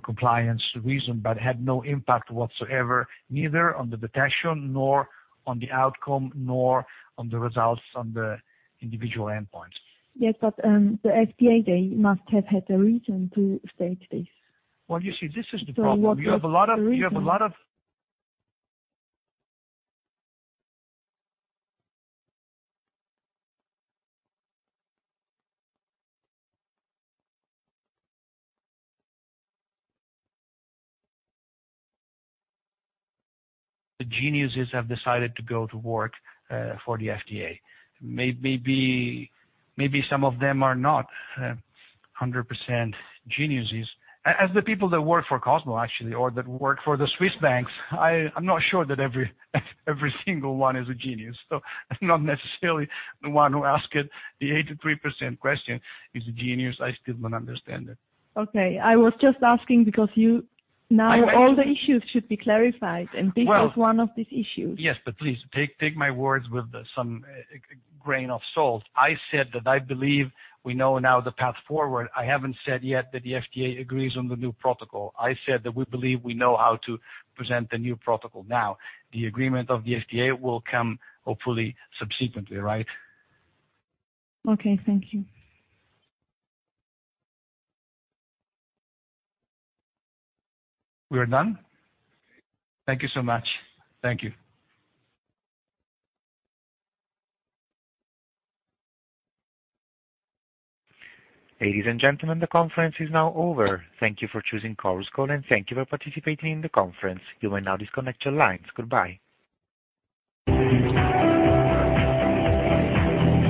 Speaker 1: compliance reason, but had no impact whatsoever neither on the detection, nor on the outcome, nor on the results on the individual endpoints.
Speaker 3: Yes, the FDA, they must have had a reason to state this.
Speaker 1: Well, you see, this is the problem.
Speaker 3: What was the reason?
Speaker 1: The geniuses have decided to go to work for the FDA. Maybe some of them are not 100% geniuses. As the people that work for Cosmo actually, or that work for the Swiss banks, I'm not sure that every single one is a genius. Not necessarily the one who asked the 83% question is a genius. I still don't understand it.
Speaker 3: Okay. I was just asking because now all the issues should be clarified, and this was one of these issues.
Speaker 1: Yes, please take my words with some grain of salt. I said that I believe we know now the path forward. I haven't said yet that the FDA agrees on the new protocol. I said that we believe we know how to present the new protocol now. The agreement of the FDA will come hopefully subsequently, right?
Speaker 3: Okay. Thank you.
Speaker 1: We are done? Thank you so much. Thank you.
Speaker 4: Ladies and gentlemen, the conference is now over. Thank you for choosing Chorus Call, and thank you for participating in the conference. You may now disconnect your lines. Goodbye.